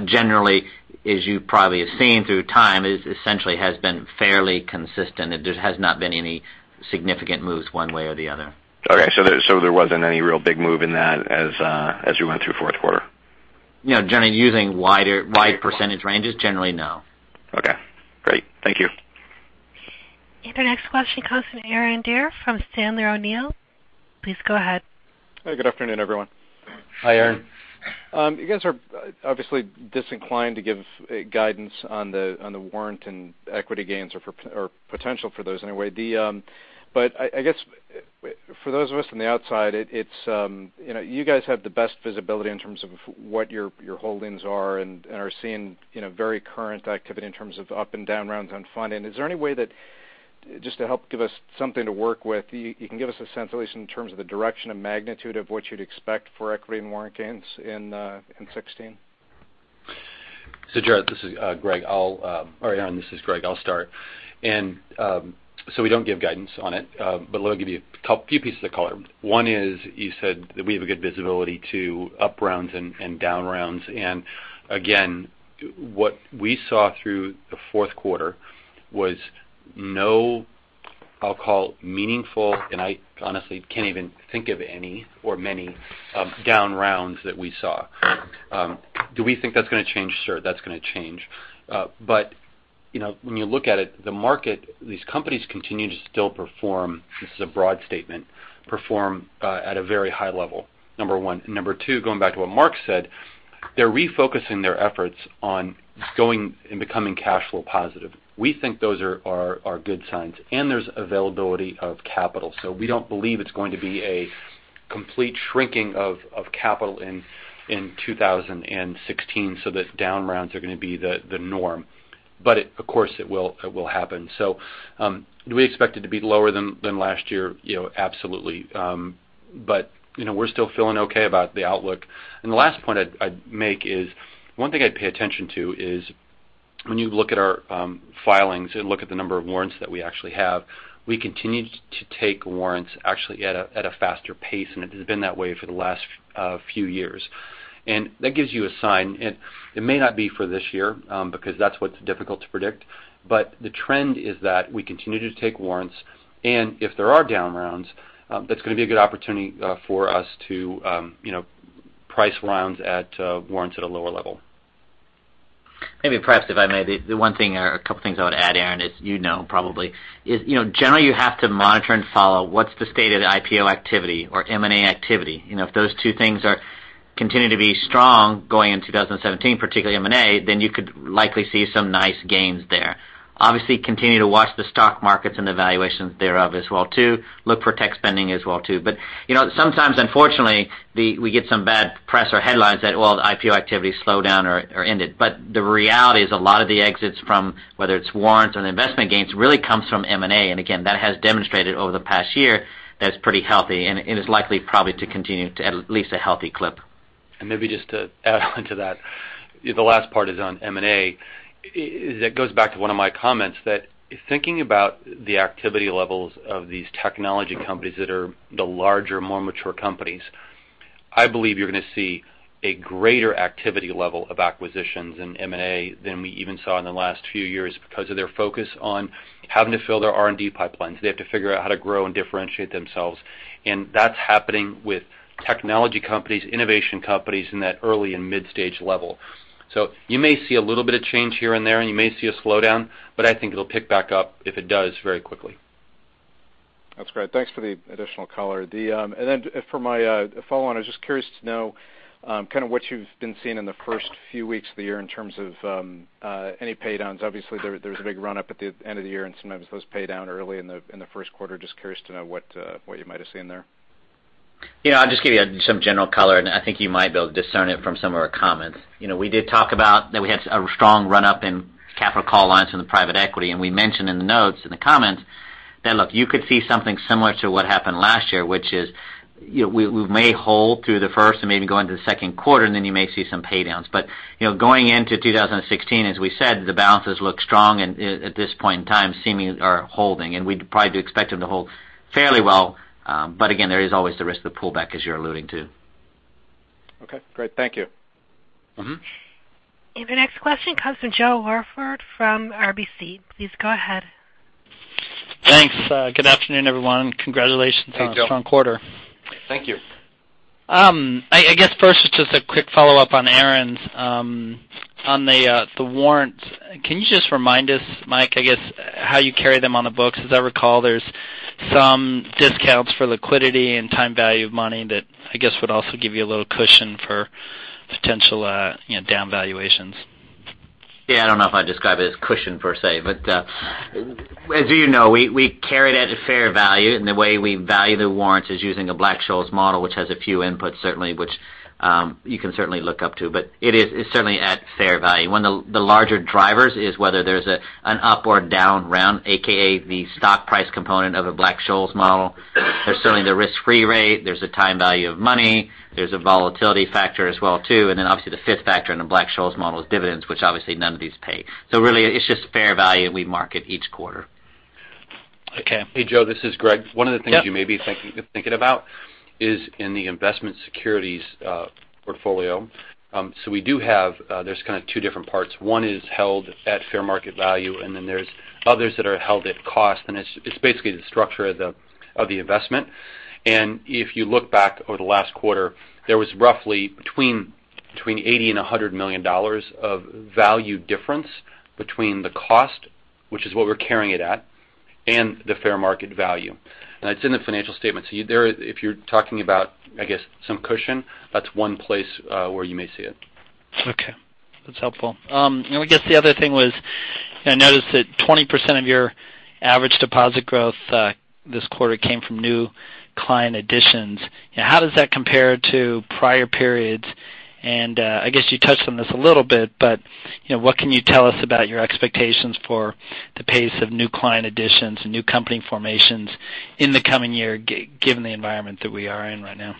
Generally, as you probably have seen through time, it essentially has been fairly consistent. There has not been any significant moves one way or the other. Okay. There wasn't any real big move in that as you went through fourth quarter? Generally, using wide percentage ranges, generally, no. Okay, great. Thank you. Our next question comes from Aaron Deer from Sandler O'Neill. Please go ahead. Hi, good afternoon, everyone. Hi, Aaron. You guys are obviously disinclined to give guidance on the warrant and equity gains or potential for those in a way. I guess for those of us on the outside, you guys have the best visibility in terms of what your holdings are and are seeing very current activity in terms of up and down rounds on funding. Is there any way that, just to help give us something to work with, you can give us a sense at least in terms of the direction and magnitude of what you'd expect for equity and warrant gains in 2016? Jared, this is Greg. Or Aaron, this is Greg. I'll start. We don't give guidance on it. Let me give you a few pieces of color. One is you said that we have a good visibility to up rounds and down rounds. Again, what we saw through the fourth quarter was no, I'll call meaningful, and I honestly can't even think of any or many down rounds that we saw. Do we think that's going to change? Sure, that's going to change. When you look at it, these companies continue to still perform, this is a broad statement, perform at a very high level, number one. Number two, going back to what Marc said, they're refocusing their efforts on going and becoming cash flow positive. We think those are good signs, and there's availability of capital. We don't believe it's going to be a complete shrinking of capital in 2016 so that down rounds are going to be the norm. Of course, it will happen. Do we expect it to be lower than last year? Absolutely. We're still feeling okay about the outlook. The last point I'd make is, one thing I'd pay attention to is when you look at our filings and look at the number of warrants that we actually have, we continue to take warrants actually at a faster pace, and it has been that way for the last few years. That gives you a sign. It may not be for this year, because that's what's difficult to predict. The trend is that we continue to take warrants, and if there are down rounds, that's going to be a good opportunity for us to price rounds at warrants at a lower level. Maybe perhaps, if I may, the one thing or a couple of things I would add, Aaron, as you know probably, is generally you have to monitor and follow what's the state of the IPO activity or M&A activity. If those two things continue to be strong going into 2017, particularly M&A, you could likely see some nice gains there. Obviously, continue to watch the stock markets and the valuations thereof as well too. Look for tech spending as well too. Sometimes, unfortunately, we get some bad press or headlines that, well, the IPO activity slowed down or ended. The reality is a lot of the exits from, whether it's warrants or the investment gains, really comes from M&A. Again, that has demonstrated over the past year that it's pretty healthy and is likely probably to continue to at least a healthy clip. Maybe just to add on to that, the last part is on M&A. That goes back to one of my comments that thinking about the activity levels of these technology companies that are the larger, more mature companies, I believe you're going to see a greater activity level of acquisitions in M&A than we even saw in the last few years because of their focus on having to fill their R&D pipelines. They have to figure out how to grow and differentiate themselves. That's happening with technology companies, innovation companies in that early and mid-stage level. You may see a little bit of change here and there, and you may see a slowdown, I think it'll pick back up if it does very quickly. That's great. Thanks for the additional color. Then for my follow-on, I'm just curious to know what you've been seeing in the first few weeks of the year in terms of any paydowns. Obviously, there was a big run up at the end of the year, and sometimes those pay down early in the first quarter. Just curious to know what you might have seen there. I'll just give you some general color, I think you might be able to discern it from some of our comments. We did talk about that we had a strong run up in capital call allowance in the private equity, we mentioned in the notes, in the comments, that look, you could see something similar to what happened last year, which is we may hold through the first and maybe go into the second quarter, then you may see some paydowns. Going into 2016, as we said, the balances look strong at this point in time seeming are holding, we'd probably do expect them to hold fairly well. Again, there is always the risk of pullback as you're alluding to. Okay, great. Thank you. The next question comes from Joe Morford from RBC. Please go ahead. Thanks. Good afternoon, everyone. Congratulations- Hey, Joe on a strong quarter. Thank you. I guess first, just a quick follow-up on Aaron's on the warrants. Can you just remind us, Mike, I guess, how you carry them on the books? As I recall, there's some discounts for liquidity and time value of money that I guess would also give you a little cushion for potential down valuations. Yeah, I don't know if I'd describe it as cushion per se, but as you know, we carry it at a fair value, and the way we value the warrants is using a Black-Scholes model, which has a few inputs, certainly, which you can certainly look up to, but it is certainly at fair value. One of the larger drivers is whether there's an up or down round, AKA the stock price component of a Black-Scholes model. There's certainly the risk-free rate. There's the time value of money. There's a volatility factor as well, too, and then obviously the fifth factor in the Black-Scholes model is dividends, which obviously none of these pay. Really, it's just fair value we market each quarter. Okay. Joe, this is Greg. One of the things you may be thinking about is in the investment securities portfolio. There's kind of two different parts. One is held at fair market value, there's others that are held at cost, it's basically the structure of the investment. If you look back over the last quarter, there was roughly between $80 million and $100 million of value difference between the cost, which is what we're carrying it at, and the fair market value. It's in the financial statement. If you're talking about, I guess, some cushion, that's one place where you may see it. Okay. That's helpful. I guess the other thing was, I noticed that 20% of your average deposit growth this quarter came from new client additions. How does that compare to prior periods? I guess you touched on this a little bit, what can you tell us about your expectations for the pace of new client additions and new company formations in the coming year, given the environment that we are in right now?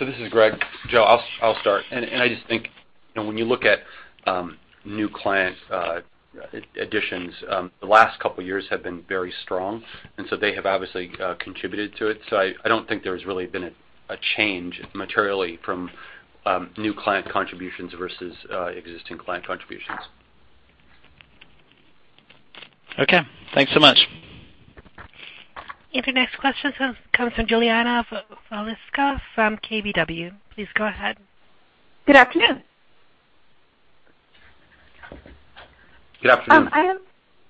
This is Greg. Joe, I'll start. I just think when you look at new client additions, the last couple of years have been very strong, they have obviously contributed to it. I don't think there's really been a change materially from new client contributions versus existing client contributions. Okay. Thanks so much. The next question comes from Julliana Baliska from KBW. Please go ahead. Good afternoon. Good afternoon.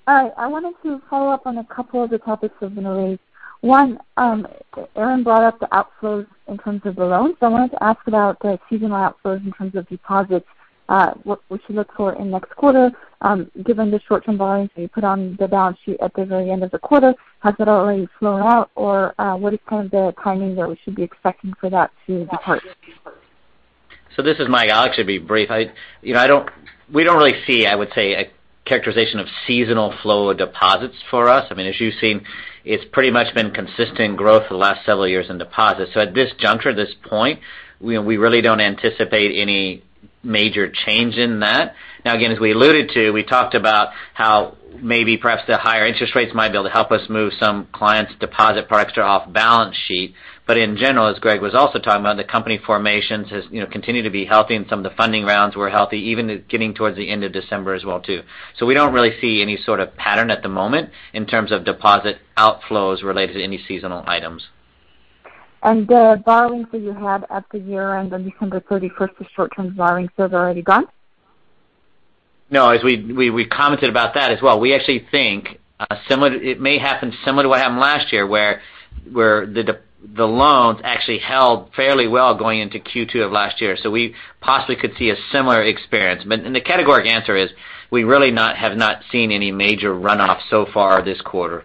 I wanted to follow up on a couple of the topics that have been raised. One, Aaron brought up the outflows in terms of the loans. I wanted to ask about the seasonal outflows in terms of deposits. What we should look for in next quarter, given the short-term borrowings that you put on the balance sheet at the very end of the quarter. Has that already flown out, or what is kind of the timing that we should be expecting for that to depart? This is Mike. I'll actually be brief. We don't really see, I would say, a characterization of seasonal flow of deposits for us. As you've seen, it's pretty much been consistent growth for the last several years in deposits. At this juncture, this point, we really don't anticipate any major change in that. Again, as we alluded to, we talked about how maybe perhaps the higher interest rates might be able to help us move some clients' deposit products off balance sheet. In general, as Greg was also talking about, the company formations has continued to be healthy and some of the funding rounds were healthy, even getting towards the end of December as well, too. We don't really see any sort of pattern at the moment in terms of deposit outflows related to any seasonal items. The borrowings that you had at the year-end on December 31st, the short-term borrowings, those are already gone? No. We commented about that as well. We actually think it may happen similar to what happened last year, where the loans actually held fairly well going into Q2 of last year. We possibly could see a similar experience. The categoric answer is we really have not seen any major runoff so far this quarter.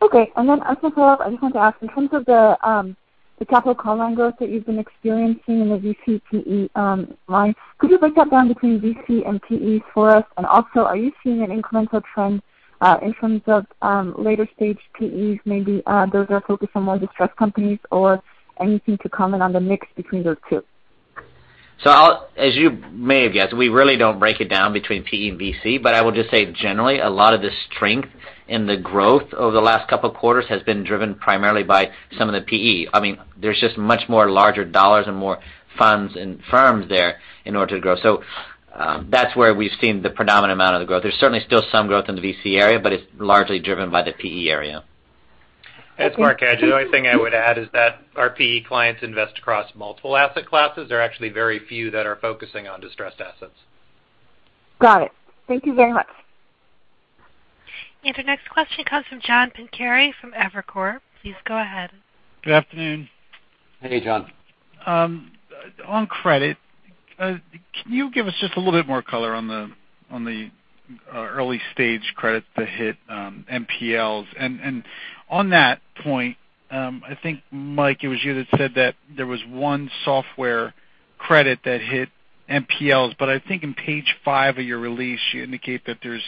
Okay. As a follow-up, I just want to ask, in terms of the capital call money growth that you've been experiencing in the VC/PE line, could you break that down between VC and PEs for us? Are you seeing an incremental trend in terms of later stage PEs, maybe those that are focused on more distressed companies? Anything to comment on the mix between those two? As you may have guessed, we really don't break it down between PE and VC, but I will just say generally, a lot of the strength in the growth over the last couple of quarters has been driven primarily by some of the PE. There's just much more larger dollars and more funds and firms there in order to grow. That's where we've seen the predominant amount of the growth. There's certainly still some growth in the VC area, but it's largely driven by the PE area. It's Marc Cadieux. The only thing I would add is that our PE clients invest across multiple asset classes. There are actually very few that are focusing on distressed assets. Got it. Thank you very much. The next question comes from John Pancari from Evercore. Please go ahead. Good afternoon. Hey, John. On credit, can you give us just a little bit more color on the early stage credit that hit NPLs? On that point, I think, Mike, it was you that said that there was one software credit that hit NPLs, but I think on page five of your release, you indicate that there's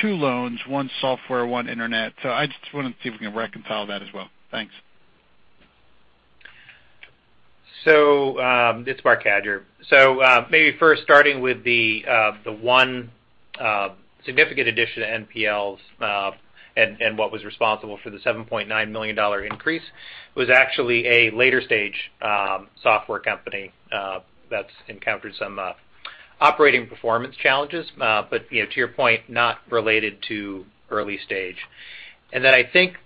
two loans, one software, one internet. I just wanted to see if we can reconcile that as well. Thanks. It's Marc Cadieux. Maybe first starting with the one significant addition to NPLs What was responsible for the $7.9 million increase was actually a later stage software company that's encountered some operating performance challenges, but to your point, not related to early stage. I think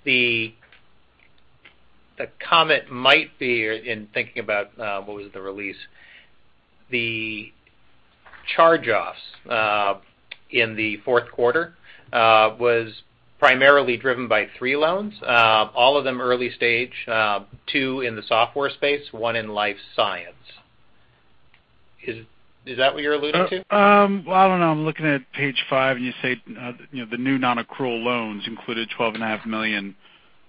the comment might be in thinking about what was the release. The charge-offs in the fourth quarter was primarily driven by three loans, all of them early stage, two in the software space, one in life science. Is that what you're alluding to? I don't know. I'm looking at page five, and you say the new non-accrual loans included $12.5 million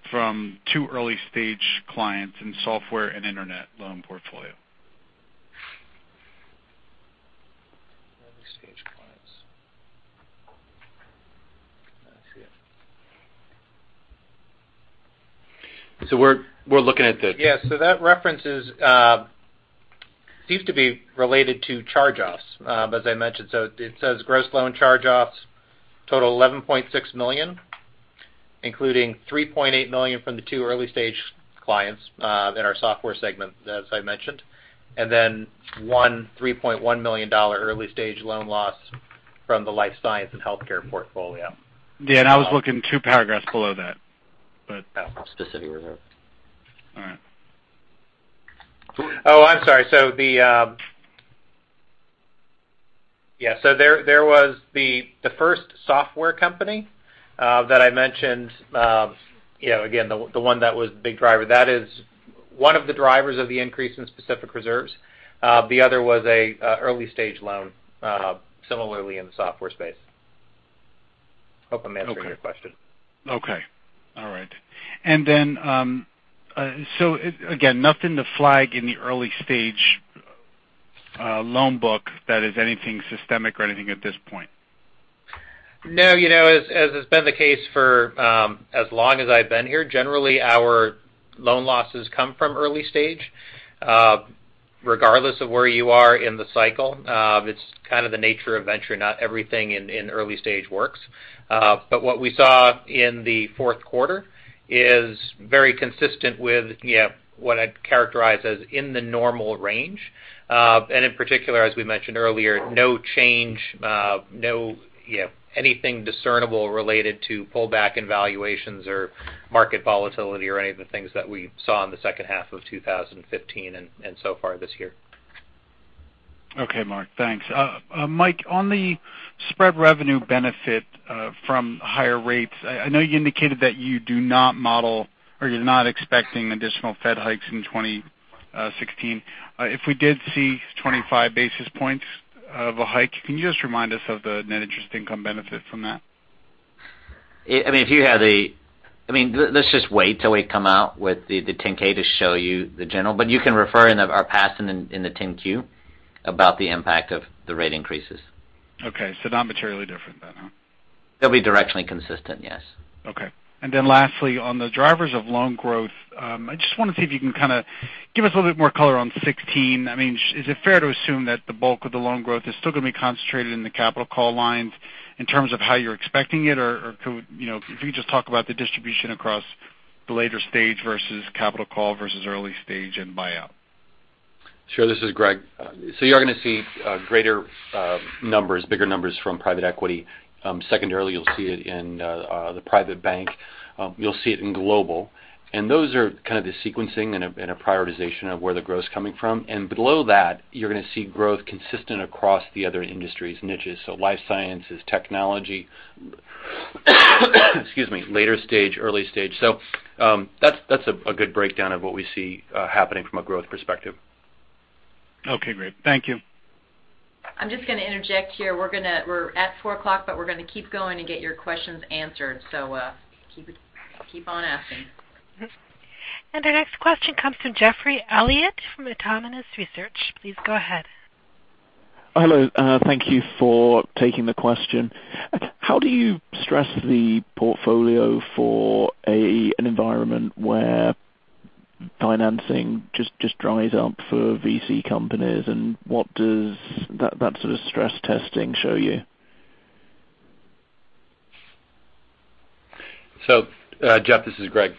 from two early-stage clients in software and internet loan portfolio. Early-stage clients. I don't see it. We're looking at the- That references seems to be related to charge-offs, as I mentioned. It says gross loan charge-offs total $11.6 million, including $3.8 million from the two early-stage clients in our software segment, as I mentioned, and then one $3.1 million early-stage loan loss from the life science and healthcare portfolio. I was looking two paragraphs below that. Specific reserve. All right. I'm sorry. There was the first software company that I mentioned, again, the one that was a big driver. That is one of the drivers of the increase in specific reserves. The other was an early-stage loan similarly in the software space. Hope I'm answering your question. Okay. All right. Again, nothing to flag in the early-stage loan book that is anything systemic or anything at this point? No. As has been the case for as long as I've been here, generally, our loan losses come from early-stage. Regardless of where you are in the cycle, it's kind of the nature of venture. Not everything in early-stage works. What we saw in the fourth quarter is very consistent with what I'd characterize as in the normal range. In particular, as we mentioned earlier, no change, anything discernible related to pullback in valuations or market volatility or any of the things that we saw in the second half of 2015 and so far this year. Okay, Marc, thanks. Mike, on the spread revenue benefit from higher rates, I know you indicated that you do not model or you're not expecting additional Fed hikes in 2016. If we did see 25 basis points of a hike, can you just remind us of the net interest income benefit from that? Let's just wait till we come out with the 10-K to show you the general. You can refer in our past in the 10-Q about the impact of the rate increases. Not materially different then, huh? They'll be directionally consistent, yes. Lastly, on the drivers of loan growth, I just want to see if you can kind of give us a little bit more color on 2016. Is it fair to assume that the bulk of the loan growth is still going to be concentrated in the capital call lines in terms of how you're expecting it, or could you just talk about the distribution across the later stage versus capital call versus early stage and buyout? Sure. This is Greg. You're going to see greater numbers, bigger numbers from private equity. Secondarily, you'll see it in the private bank. You'll see it in global. Those are kind of the sequencing and a prioritization of where the growth's coming from. Below that, you're going to see growth consistent across the other industries, niches. Life sciences, technology, excuse me, later stage, early stage. That's a good breakdown of what we see happening from a growth perspective. Okay, great. Thank you. I'm just going to interject here. We're at 4:00, we're going to keep going and get your questions answered. Keep on asking. Our next question comes from Geoffrey Elliott from Autonomous Research. Please go ahead. Hello. Thank you for taking the question. How do you stress the portfolio for an environment where financing just dries up for VC companies? What does that sort of stress testing show you? Jeff, this is Greg.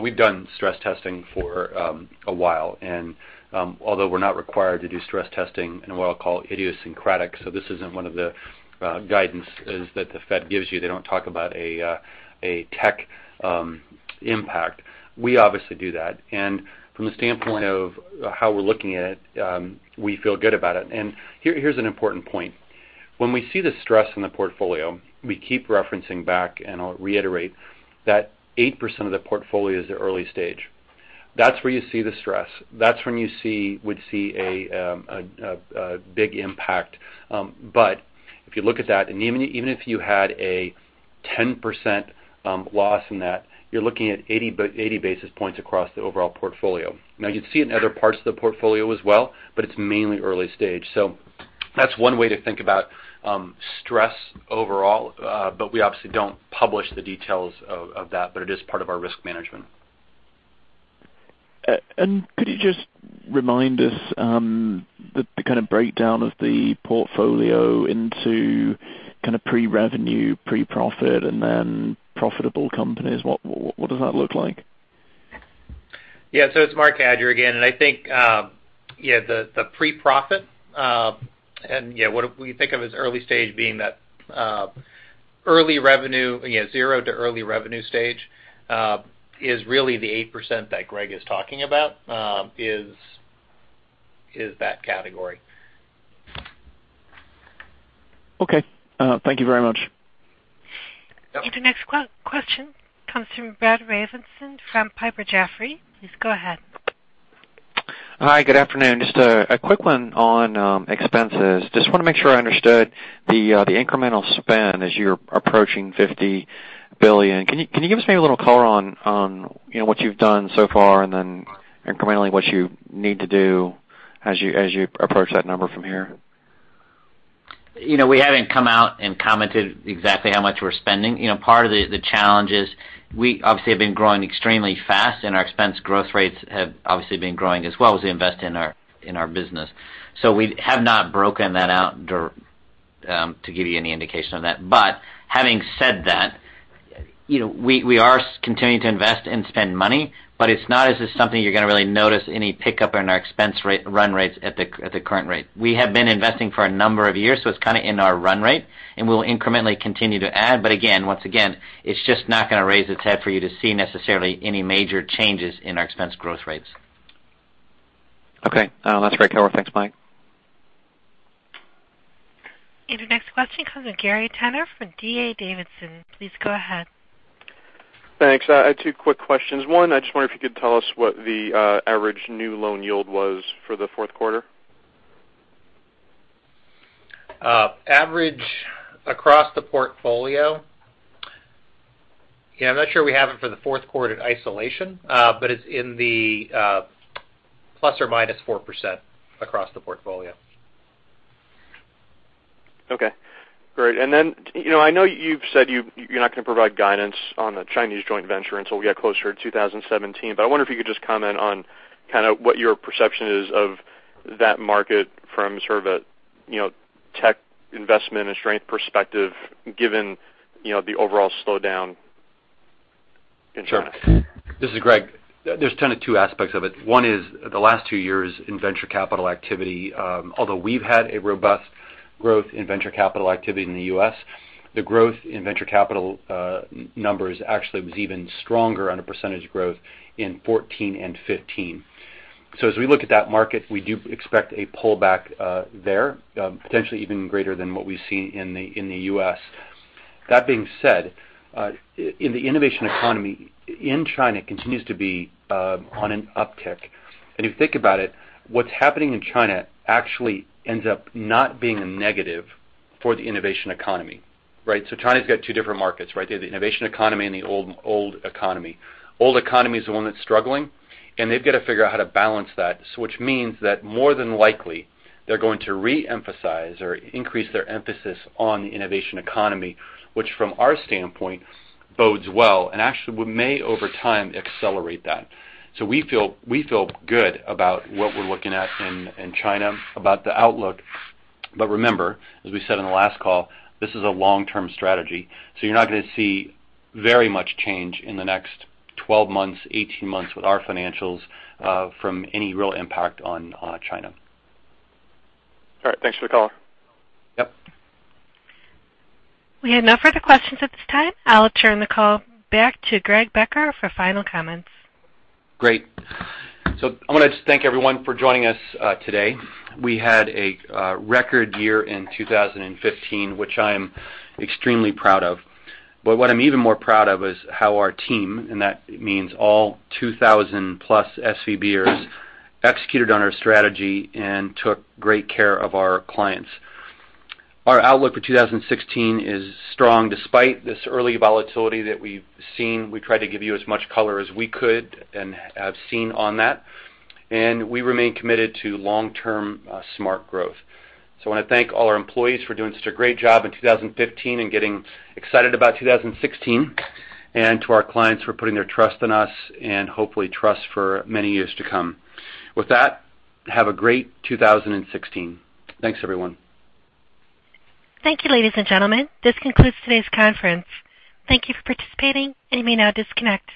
We've done stress testing for a while. Although we're not required to do stress testing in what I'll call idiosyncratic, so this isn't one of the guidance that the Fed gives you. They don't talk about a tech impact. We obviously do that. From the standpoint of how we're looking at it, we feel good about it. Here's an important point. When we see the stress in the portfolio, we keep referencing back, and I'll reiterate that 8% of the portfolio is the early stage. That's where you see the stress. That's when you would see a big impact. If you look at that, and even if you had a 10% loss in that, you're looking at 80 basis points across the overall portfolio. Now, you'd see it in other parts of the portfolio as well, but it's mainly early stage. That's one way to think about stress overall. We obviously don't publish the details of that, but it is part of our risk management. Could you just remind us the kind of breakdown of the portfolio into pre-revenue, pre-profit, and then profitable companies? What does that look like? It's Marc Cadieux again. I think the pre-profit, what we think of as early stage being that zero to early revenue stage, is really the 8% that Greg is talking about, is that category. Okay. Thank you very much. Yep. The next question comes from Brett Rabatin from Piper Jaffray. Please go ahead. Hi, good afternoon. A quick one on expenses. I want to make sure I understood the incremental spend as you're approaching $50 billion. Can you give us maybe a little color on what you've done so far incrementally what you need to do as you approach that number from here? We haven't come out and commented exactly how much we're spending. Part of the challenge is we obviously have been growing extremely fast, and our expense growth rates have obviously been growing as well as we invest in our business. We have not broken that out to give you any indication of that. Having said that, we are continuing to invest and spend money, but it's not as if something you're going to really notice any pickup in our expense run rates at the current rate. We have been investing for a number of years, so it's kind of in our run rate, and we'll incrementally continue to add. Again, once again, it's just not going to raise its head for you to see necessarily any major changes in our expense growth rates. Okay. That's great color. Thanks, Mike. The next question comes from Gary Tenner from D.A. Davidson. Please go ahead. Thanks. I had two quick questions. One, I just wonder if you could tell us what the average new loan yield was for the fourth quarter. Average across the portfolio. I'm not sure we have it for the fourth quarter in isolation, but it's in the plus or minus 4% across the portfolio. Okay. Great. I know you've said you're not going to provide guidance on the Chinese joint venture until we get closer to 2017, but I wonder if you could just comment on kind of what your perception is of that market from sort of a tech investment and strength perspective, given the overall slowdown in China. Sure. This is Greg. There's kind of two aspects of it. One is the last two years in venture capital activity. Although we've had a robust growth in venture capital activity in the U.S., the growth in venture capital numbers actually was even stronger on a percentage growth in 2014 and 2015. As we look at that market, we do expect a pullback there, potentially even greater than what we've seen in the U.S. That being said, in the innovation economy in China continues to be on an uptick. If you think about it, what's happening in China actually ends up not being a negative for the innovation economy, right? China's got two different markets, right? They have the innovation economy and the old economy. Old economy is the one that's struggling, and they've got to figure out how to balance that. Which means that more than likely, they're going to re-emphasize or increase their emphasis on the innovation economy, which from our standpoint bodes well. Actually, we may over time accelerate that. We feel good about what we're looking at in China about the outlook. Remember, as we said on the last call, this is a long-term strategy, so you're not going to see very much change in the next 12 months, 18 months with our financials from any real impact on China. All right. Thanks for the call. Yep. We have no further questions at this time. I'll turn the call back to Greg Becker for final comments. Great. I want to just thank everyone for joining us today. We had a record year in 2015, which I am extremely proud of. What I'm even more proud of is how our team, and that means all 2,000 plus SVB-ers, executed on our strategy and took great care of our clients. Our outlook for 2016 is strong despite this early volatility that we've seen. We tried to give you as much color as we could and have seen on that, and we remain committed to long-term smart growth. I want to thank all our employees for doing such a great job in 2015 and getting excited about 2016, and to our clients for putting their trust in us and hopefully trust for many years to come. With that, have a great 2016. Thanks, everyone. Thank you, ladies and gentlemen. This concludes today's conference. Thank you for participating, and you may now disconnect.